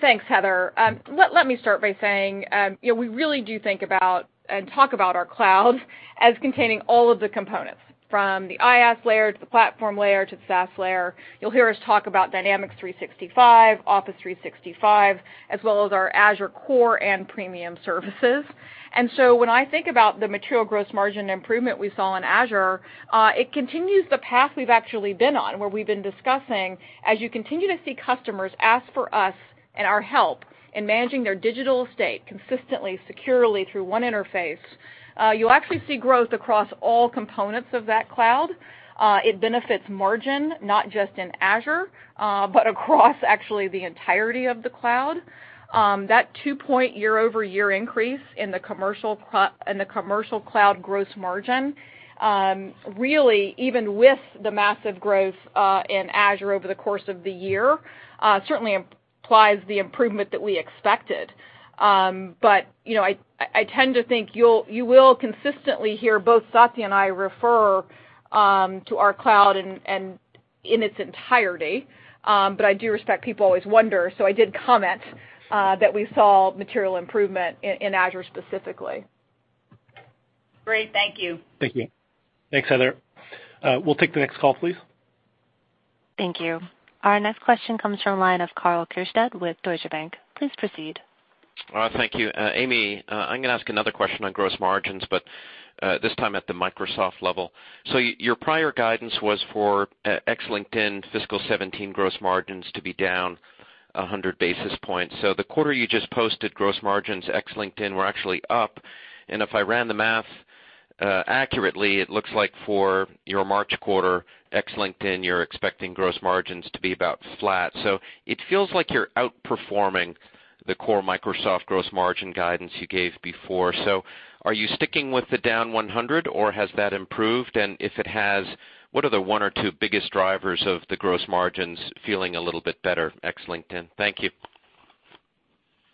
Thanks, Heather. Let me start by saying, you know, we really do think about and talk about our cloud as containing all of the components, from the IaaS layer, to the platform layer, to the SaaS layer. You'll hear us talk about Dynamics 365, Office 365, as well as our Azure core and premium services. When I think about the material gross margin improvement we saw in Azure, it continues the path we've actually been on, where we've been discussing, as you continue to see customers ask for us and our help in managing their digital estate consistently, securely through one interface, you'll actually see growth across all components of that cloud. It benefits margin, not just in Azure, but across actually the entirety of the cloud. That 2-point year-over-year increase in the commercial cloud gross margin, really, even with the massive growth in Azure over the course of the year, certainly implies the improvement that we expected. You know, I tend to think you'll, you will consistently hear both Satya and I refer to our cloud in, and in its entirety. I do respect people always wonder, so I did comment that we saw material improvement in Azure specifically. Great. Thank you. Thank you. Thanks, Heather. We'll take the next call, please. Thank you. Our next question comes from line of Karl Keirstead with Deutsche Bank. Please proceed. Thank you. Amy, I'm going to ask another question on gross margins, but this time at the Microsoft level. Your prior guidance was for ex LinkedIn fiscal 2017 gross margins to be down 100 basis points. The quarter you just posted, gross margins ex LinkedIn were actually up, and if I ran the math accurately, it looks like for your March quarter ex LinkedIn, you're expecting gross margins to be about flat. It feels like you're outperforming the core Microsoft gross margin guidance you gave before. Are you sticking with the down 100 basis points or has that improved? If it has, what are the one or two biggest drivers of the gross margins feeling a little bit better ex LinkedIn? Thank you.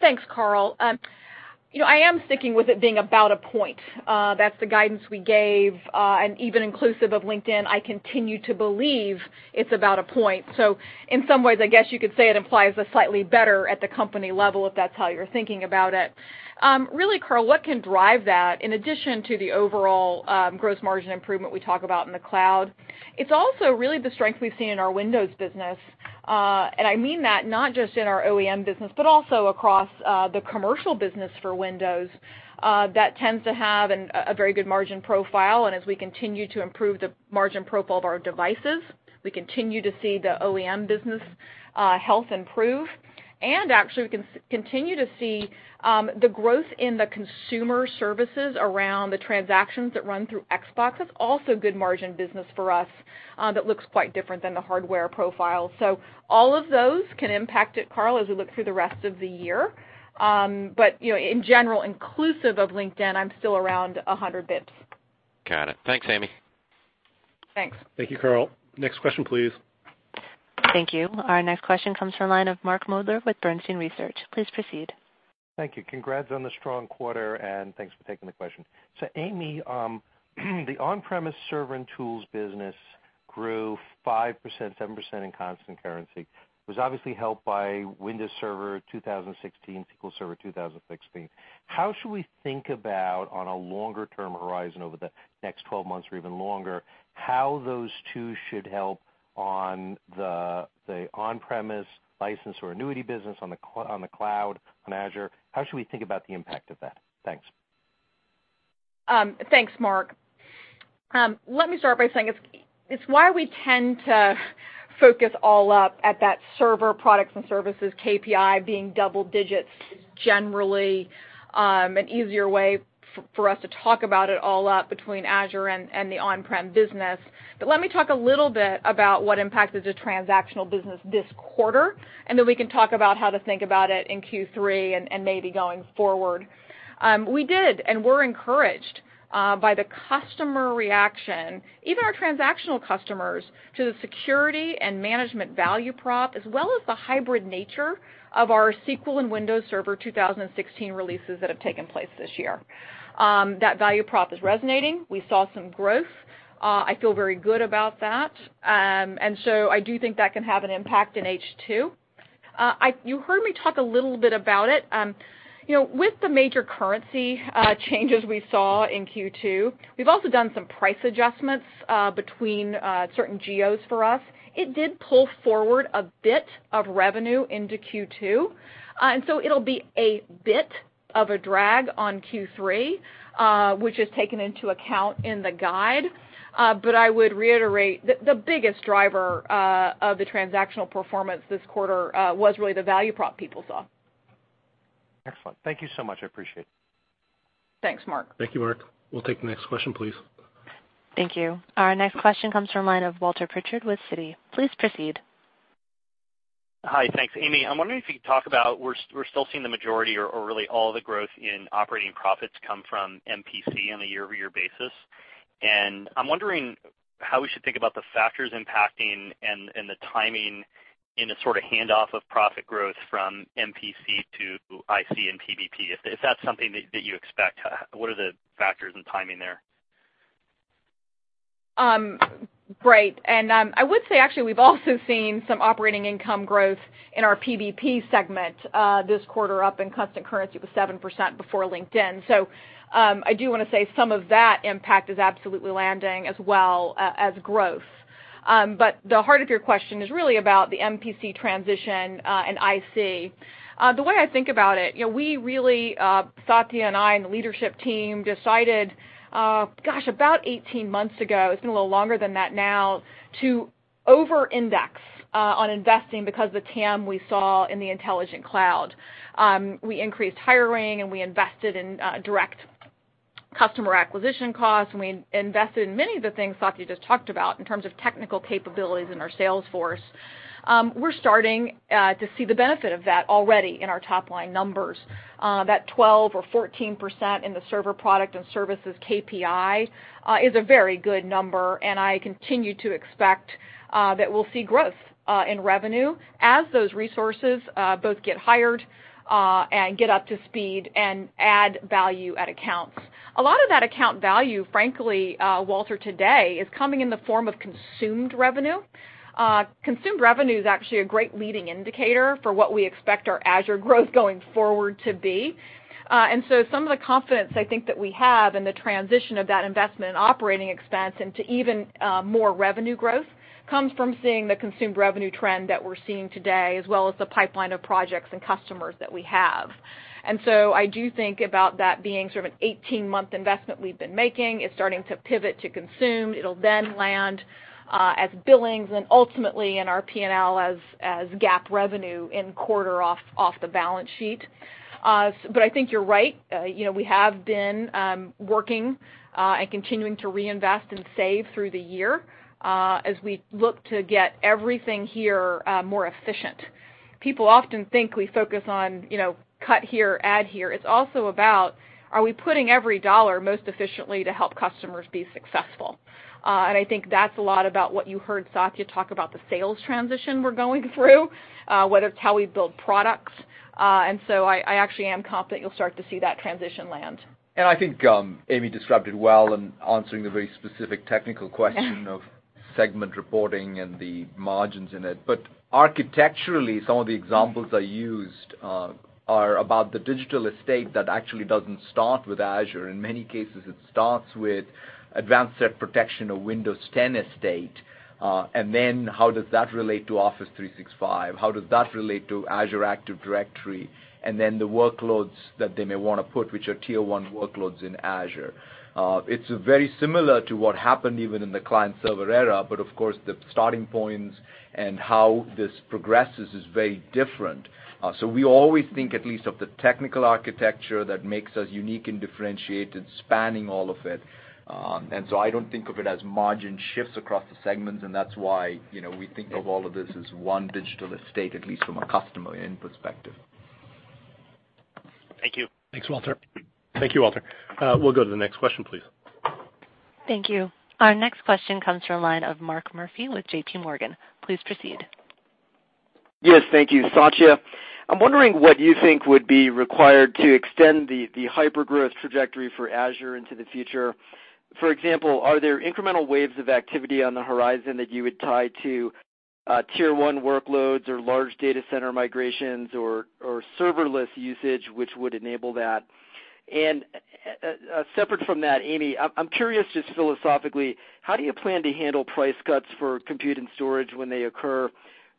Thanks, Karl. You know, I am sticking with it being about 1 point. That's the guidance we gave, and even inclusive of LinkedIn, I continue to believe it's about a point. In some ways, I guess you could say it implies a slightly better at the company level, if that's how you're thinking about it. Really, Karl, what can drive that, in addition to the overall gross margin improvement we talk about in the cloud, it's also really the strength we've seen in our Windows business. I mean that not just in our OEM business, but also across the commercial business for Windows, that tends to have a very good margin profile, and as we continue to improve the margin profile of our devices, we continue to see the OEM business health improve. Actually, we continue to see the growth in the consumer services around the transactions that run through Xbox. It's also good margin business for us that looks quite different than the hardware profile. All of those can impact it, Karl, as we look through the rest of the year. You know, in general, inclusive of LinkedIn, I'm still around 100 basis points. Got it. Thanks, Amy. Thanks. Thank you, Karl. Next question, please. Thank you. Our next question comes from line of Mark Moerdler with Bernstein Research. Please proceed. Thank you. Congrats on the strong quarter. Thanks for taking the question. Amy, the on-premise server and tools business grew 5%, 7% in constant currency, and was obviously helped by Windows Server 2016, SQL Server 2016. How should we think about on a longer term horizon over the next 12 months or even longer, how those two should help on the on-premise license or annuity business on the cloud, on Azure? How should we think about the impact of that? Thanks. Thanks, Mark. Let me start by saying it's why we tend to focus all up at that server products and services KPI being double digits is generally an easier way for us to talk about it all up between Azure and the on-prem business. Let me talk a little bit about what impacted the transactional business this quarter, and then we can talk about how to think about it in Q3 and maybe going forward. We did and we're encouraged by the customer reaction, even our transactional customers, to the security and management value prop, as well as the hybrid nature of our SQL and Windows Server 2016 releases that have taken place this year. That value prop is resonating. We saw some growth. I feel very good about that. I do think that can have an impact in H2. You heard me talk a little bit about it. You know, with the major currency changes we saw in Q2, we've also done some price adjustments between certain geos for us. It did pull forward a bit of revenue into Q2, it'll be a bit of a drag on Q3, which is taken into account in the guide. I would reiterate the biggest driver of the transactional performance this quarter was really the value prop people saw. Excellent. Thank you so much, I appreciate it. Thanks, Mark. Thank you, Mark. We'll take the next question, please. Thank you. Our next question comes from line of Walter Pritchard with Citi. Please proceed. Hi. Thanks, Amy. I'm wondering if you could talk about we're still seeing the majority or really all the growth in operating profits come from MPC on a year-over-year basis. I'm wondering how we should think about the factors impacting and the timing in the sort of hand off of profit growth from MPC to IC and PBP. If that's something that you expect, what are the factors and timing there? Great. I would say actually we've also seen some operating income growth in our PBP segment this quarter up in constant currency with 7% before LinkedIn. I do want to say some of that impact is absolutely landing as well as growth. The heart of your question is really about the MPC transition and IC. The way I think about it, you know, we really Satya and I, and the leadership team decided, gosh, about 18 months ago, it's been a little longer than that now, to over-index on investing because the TAM we saw in the Intelligent Cloud. We increased hiring, and we invested in direct customer acquisition costs, and we invested in many of the things Satya just talked about in terms of technical capabilities in our sales force. We're starting to see the benefit of that already in our top line numbers. That 12% or 14% in the server product and services KPI is a very good number, and I continue to expect that we'll see growth in revenue as those resources both get hired and get up to speed and add value at accounts. A lot of that account value, frankly, Walter, today is coming in the form of consumed revenue. Consumed revenue is actually a great leading indicator for what we expect our Azure growth going forward to be. Some of the confidence I think that we have in the transition of that investment and operating expense into even more revenue growth comes from seeing the consumed revenue trend that we're seeing today, as well as the pipeline of projects and customers that we have. I do think about that being sort of an 18-month investment we've been making. It's starting to pivot to consume. It'll then land as billings and ultimately in our P&L as GAAP revenue in quarter off the balance sheet. I think you're right. You know, we have been working and continuing to reinvest and save through the year, as we look to get everything here more efficient. People often think we focus on, you know, cut here, add here. It's also about are we putting every dollar most efficiently to help customers be successful. I think that's a lot about what you heard Satya talk about the sales transition we're going through, whether it's how we build products. I actually am confident you'll start to see that transition land. I think Amy described it well in answering the very specific technical question of segment reporting and the margins in it. Architecturally, some of the examples I used are about the digital estate that actually doesn't start with Azure. In many cases, it starts with Advanced Threat Protection or Windows 10 estate. How does that relate to Office 365? How does that relate to Azure Active Directory? The workloads that they may want to put, which are Tier 1 workloads in Azure. It's very similar to what happened even in the client-server era, but of course, the starting points and how this progresses is very different. We always think at least of the technical architecture that makes us unique and differentiated, spanning all of it. I don't think of it as margin shifts across the segments, and that's why, you know, we think of all of this as one digital estate, at least from a customer end perspective. Thank you. Thanks, Walter. Thank you, Walter. We'll go to the next question, please. Thank you. Our next question comes from a line of Mark Murphy with JPMorgan. Please proceed. Yes, thank you, Satya. I'm wondering what you think would be required to extend the hypergrowth trajectory for Azure into the future. For example, are there incremental waves of activity on the horizon that you would tie to Tier 1 workloads or large data center migrations or serverless usage which would enable that? Separate from that, Amy, I'm curious just philosophically, how do you plan to handle price cuts for compute and storage when they occur?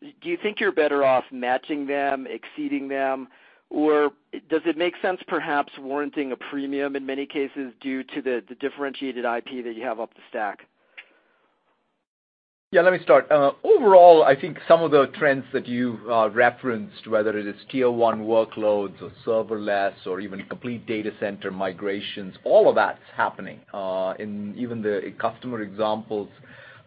Do you think you're better off matching them, exceeding them, or does it make sense perhaps warranting a premium in many cases due to the differentiated IP that you have up the stack? Yeah, let me start. Overall, I think some of the trends that you referenced, whether it is Tier 1 workloads or serverless or even complete data center migrations, all of that's happening. In even the customer examples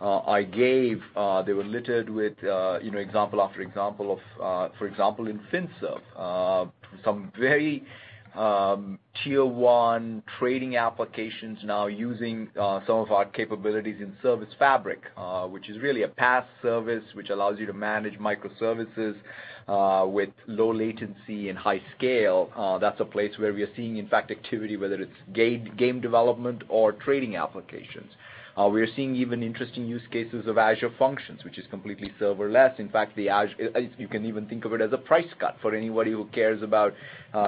I gave, they were littered with, you know, example after example of, for example, in FinServ, some very Tier 1 trading applications now using some of our capabilities in Service Fabric, which is really a PaaS service which allows you to manage microservices with low latency and high scale. That's a place where we are seeing, in fact, activity, whether it's game development or trading applications. We are seeing even interesting use cases of Azure Functions, which is completely serverless. In fact, the Azure, you can even think of it as a price cut for anybody who cares about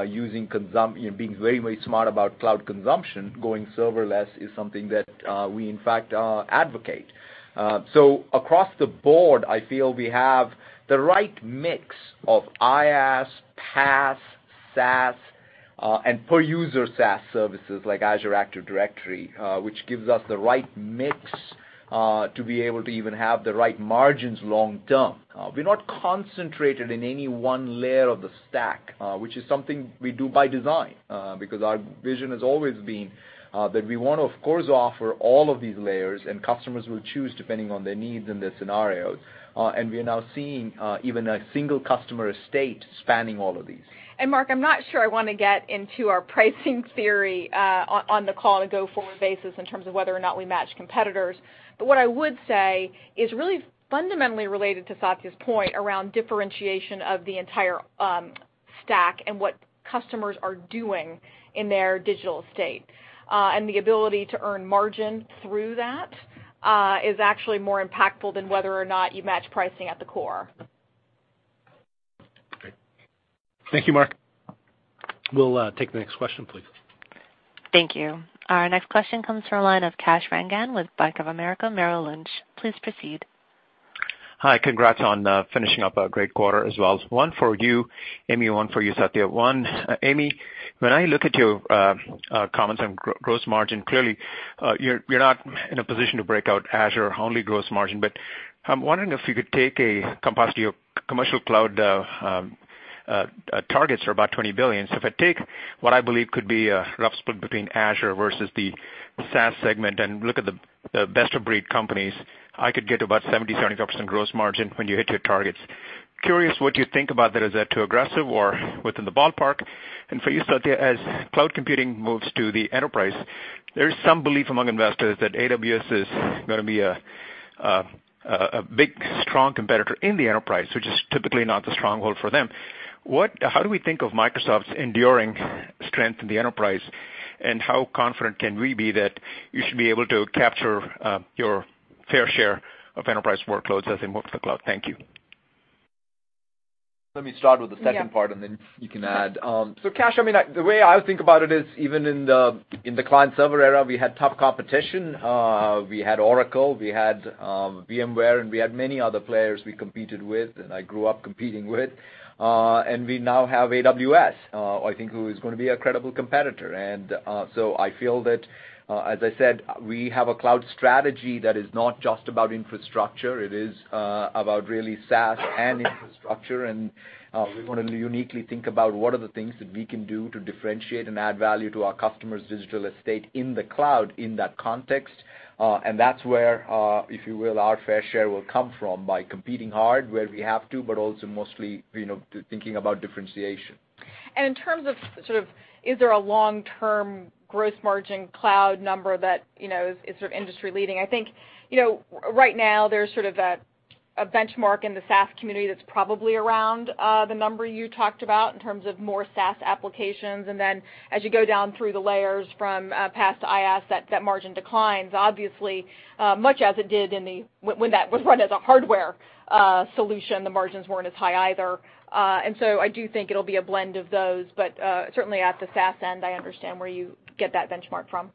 using, you know, being very, very smart about cloud consumption, going serverless is something that we in fact advocate. Across the board, I feel we have the right mix of IaaS, PaaS, SaaS, and per user SaaS services like Azure Active Directory, which gives us the right mix to be able to even have the right margins long term. We're not concentrated in any one layer of the stack, which is something we do by design, because our vision has always been that we want to, of course, offer all of these layers, and customers will choose depending on their needs and their scenarios. We are now seeing even a single customer estate spanning all of these. Mark, I'm not sure I want to get into our pricing theory, on the call on a go-forward basis in terms of whether or not we match competitors. What I would say is really fundamentally related to Satya's point around differentiation of the entire stack and what customers are doing in their digital estate. The ability to earn margin through that, is actually more impactful than whether or not you match pricing at the core. Great. Thank you, Mark. We'll take the next question, please. Thank you. Our next question comes from a line of Kash Rangan with Bank of America Merrill Lynch. Please proceed. Hi. Congrats on finishing up a great quarter as well. One for you, Amy, one for you, Satya. One, Amy, when I look at your comments on gross margin, clearly, you're not in a position to break out Azure only gross margin. I'm wondering if you could take a composite to your commercial cloud targets for about $20 billion. If I take what I believe could be a rough split between Azure versus the SaaS segment and look at the best-of-breed companies, I could get about 70%-75% gross margin when you hit your targets. Curious what you think about that. Is that too aggressive or within the ballpark? For you, Satya, as cloud computing moves to the enterprise, there is some belief among investors that AWS is going to be a big, strong competitor in the enterprise, which is typically not the stronghold for them. How do we think of Microsoft's enduring strength in the enterprise, and how confident can we be that you should be able to capture your fair share of enterprise workloads as they move to the cloud? Thank you. Let me start with the second part, and then you can add. Kash, I mean, the way I would think about it is even in the client-server era, we had tough competition. We had Oracle, we had VMware, and we had many other players we competed with, and I grew up competing with. We now have AWS, I think, who is going to be a credible competitor. I feel that, as I said, we have a cloud strategy that is not just about infrastructure. It is about really SaaS and infrastructure. We want to uniquely think about what are the things that we can do to differentiate and add value to our customers' digital estate in the cloud in that context. That's where, if you will, our fair share will come from by competing hard where we have to, but also mostly, you know, thinking about differentiation. In terms of sort of is there a long-term gross margin cloud number that, you know, is sort of industry leading, I think, you know, right now there's sort of a benchmark in the SaaS community that's probably around the number you talked about in terms of more SaaS applications. Then as you go down through the layers from PaaS to IaaS, that margin declines, obviously, much as it did when that was run as a hardware solution, the margins weren't as high either. I do think it will be a blend of those. Certainly at the SaaS end, I understand where you get that benchmark from.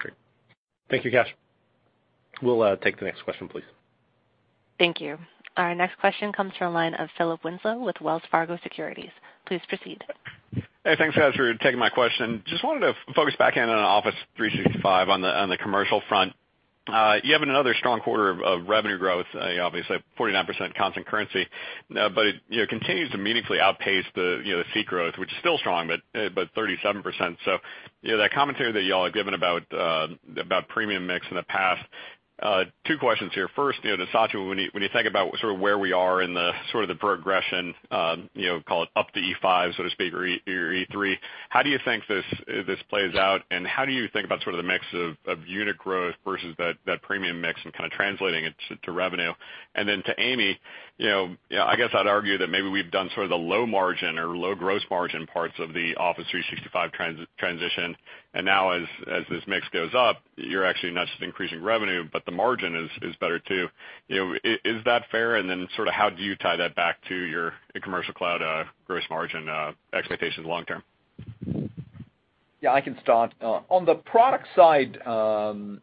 Great. Thank you, Kash. We'll take the next question, please. Thank you. Our next question comes from the line of Philip Winslow with Wells Fargo Securities. Please proceed. Hey, thanks, guys, for taking my question. Just wanted to focus back in on Office 365 on the, on the commercial front. You having another strong quarter of revenue growth, obviously 49% constant currency. You know, continues to meaningfully outpace the, you know, the seat growth, which is still strong, but 37%. You know, that commentary that you all have given about premium mix in the past. Two questions here. First, you know, to Satya, when you think about sort of where we are in the sort of the progression, you know, call it up to E5, so to speak, or E3, how do you think this plays out, and how do you think about sort of the mix of unit growth versus that premium mix and kind of translating it to revenue? Then to Amy, you know, I guess I'd argue that maybe we've done sort of the low margin or low gross margin parts of the Office 365 transition. Now as this mix goes up, you're actually not just increasing revenue, but the margin is better too. You know, is that fair? Sort of how do you tie that back to your commercial cloud, gross margin, expectations long term? Yeah, I can start. On the product side, do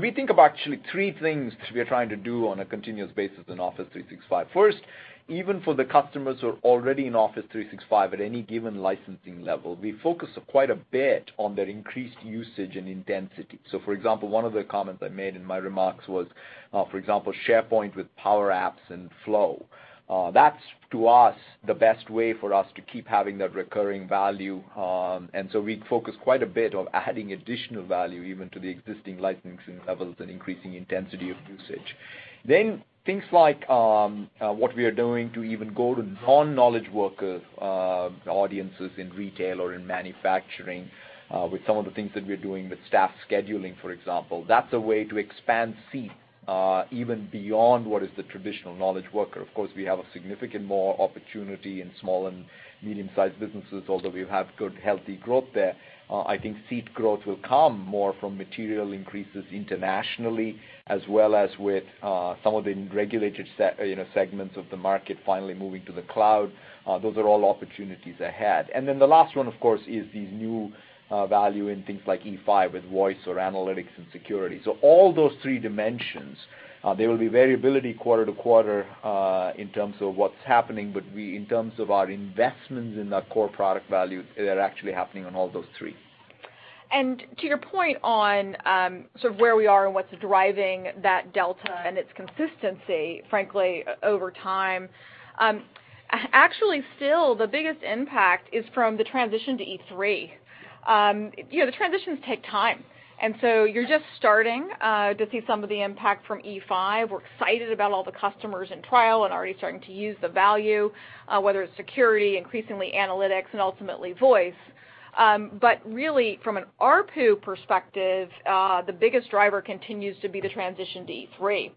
we think of actually three things we are trying to do on a continuous basis in Office 365. First, even for the customers who are already in Office 365 at any given licensing level, we focus quite a bit on their increased usage and intensity. For example, one of the comments I made in my remarks was, for example, SharePoint with Power Apps and Flow. That's, to us, the best way for us to keep having that recurring value. We focus quite a bit on adding additional value even to the existing licensing levels and increasing intensity of usage. Things like what we are doing to even go to non-knowledge worker audiences in retail or in manufacturing with some of the things that we're doing with staff scheduling, for example. That's a way to expand seat even beyond what is the traditional knowledge worker. Of course, we have a significant more opportunity in small and medium-sized businesses, although we have good healthy growth there. I think seat growth will come more from material increases internationally as well as with some of the regulated you know segments of the market finally moving to the cloud. Those are all opportunities ahead. The last one, of course, is these new value in things like E5 with voice or analytics and security. All those three dimensions, there will be variability quarter to quarter, in terms of what's happening, but we, in terms of our investments in that core product value, they're actually happening on all those three. To your point on, sort of where we are and what's driving that delta and its consistency, frankly, over time, actually still the biggest impact is from the transition to E3. You know, the transitions take time, and so you're just starting to see some of the impact from E5. We're excited about all the customers in trial and already starting to use the value, whether it's security, increasingly analytics, and ultimately voice. Really from an ARPU perspective, the biggest driver continues to be the transition to E3.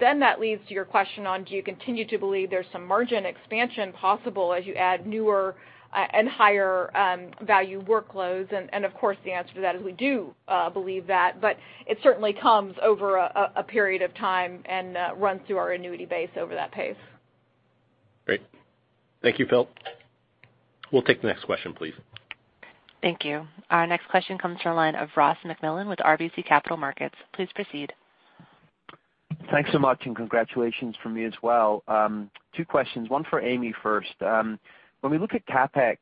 That leads to your question on do you continue to believe there's some margin expansion possible as you add newer and higher value workloads? Of course, the answer to that is we do believe that, but it certainly comes over a period of time and runs through our annuity base over that pace. Great. Thank you, Philip. We'll take the next question, please. Thank you. Our next question comes from the line of Ross MacMillan with RBC Capital Markets. Please proceed. Thanks so much, and congratulations from me as well. Two questions, one for Amy first. When we look at CapEx,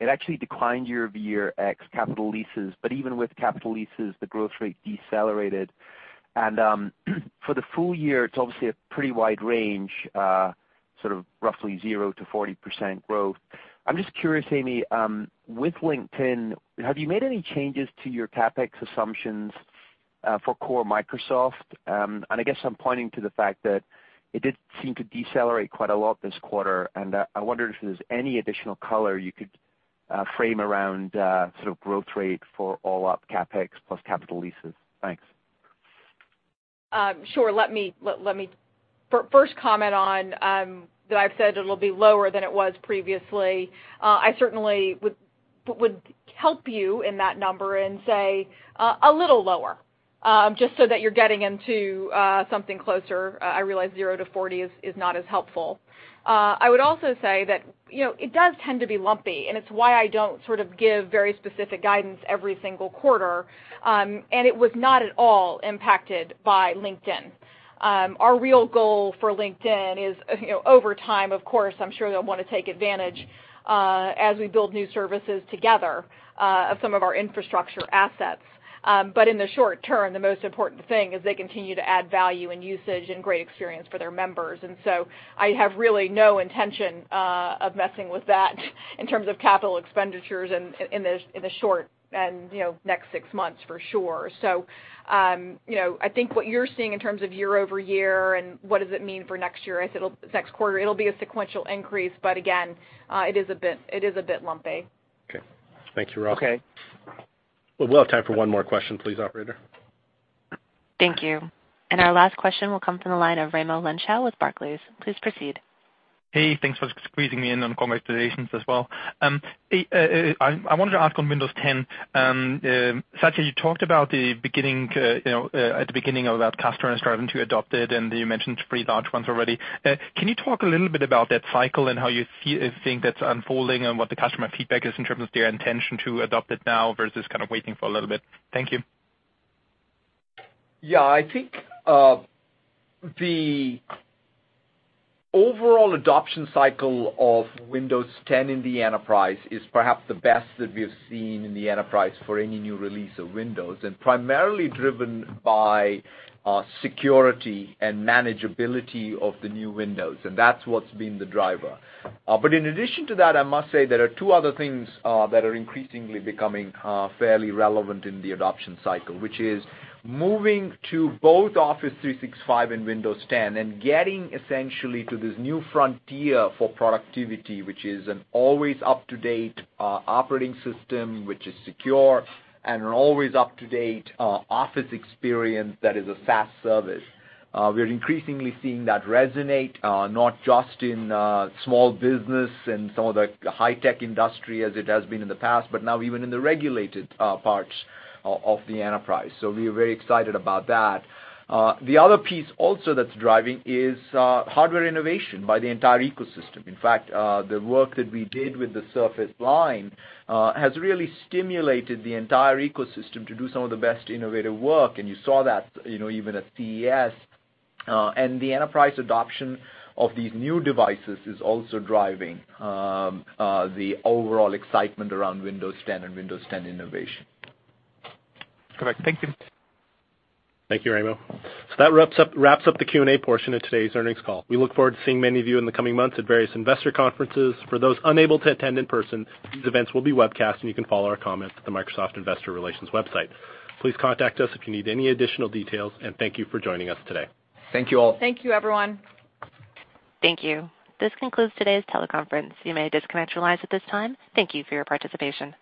it actually declined year-over-year ex capital leases, but even with capital leases, the growth rate decelerated. For the full year, it's obviously a pretty wide range, sort of roughly 0%-40% growth. I'm just curious, Amy, with LinkedIn, have you made any changes to your CapEx assumptions for core Microsoft? I guess I'm pointing to the fact that it did seem to decelerate quite a lot this quarter, I wonder if there's any additional color you could frame around sort of growth rate for all up CapEx plus capital leases. Thanks. Sure. Let me first comment on that I've said it'll be lower than it was previously. I certainly would help you in that number and say a little lower, just so that you're getting into something closer. I realize 0%-40% is not as helpful. I would also say that, you know, it does tend to be lumpy, and it's why I don't sort of give very specific guidance every single quarter. It was not at all impacted by LinkedIn. Our real goal for LinkedIn is, you know, over time, of course, I'm sure they'll want to take advantage as we build new services together of some of our infrastructure assets. In the short term, the most important thing is they continue to add value and usage and great experience for their members. I have really no intention of messing with that in terms of capital expenditures in the short and, you know, next six months for sure. I think what you're seeing in terms of year-over-year and what does it mean for next year, I said next quarter, it'll be a sequential increase, but again, it is a bit lumpy. Okay. Thank you, Ross. We'll have time for one more question, please, Operator. Thank you. Our last question will come from the line of Raimo Lenschow with Barclays. Please proceed. Hey, thanks for squeezing me in, and congratulations as well. Hey, I wanted to ask on Windows 10, Satya, you talked about the beginning, you know, at the beginning about customers starting to adopt it, and you mentioned pretty large ones already. Can you talk a little bit about that cycle and how you think that's unfolding and what the customer feedback is in terms of their intention to adopt it now versus kind of waiting for a little bit? Thank you. Yeah, I think, the overall adoption cycle of Windows 10 in the enterprise is perhaps the best that we've seen in the enterprise for any new release of Windows, and primarily driven by, security and manageability of the new Windows, and that's what's been the driver. In addition to that, I must say there are two other things that are increasingly becoming fairly relevant in the adoption cycle, which is moving to both Office 365 and Windows 10 and getting essentially to this new frontier for productivity, which is an always up-to-date operating system, which is secure, and an always up-to-date Office experience that is a SaaS service. We're increasingly seeing that resonate, not just in small business and some of the high tech industry as it has been in the past, but now even in the regulated parts of the enterprise. We're very excited about that. The other piece also that's driving is hardware innovation by the entire ecosystem. In fact, the work that we did with the Surface line, has really stimulated the entire ecosystem to do some of the best innovative work, and you saw that, you know, even at CES. The enterprise adoption of these new devices is also driving the overall excitement around Windows 10 and Windows 10 innovation. Correct. Thank you. Thank you, Raimo. That wraps up the Q&A portion of today's earnings call. We look forward to seeing many of you in the coming months at various investor conferences. For those unable to attend in person, these events will be webcast, and you can follow our comments at the Microsoft Investor Relations website. Please contact us if you need any additional details, and thank you for joining us today. Thank you all. Thank you, everyone. Thank you. This concludes today's teleconference. You may disconnect your lines at this time. Thank you for your participation.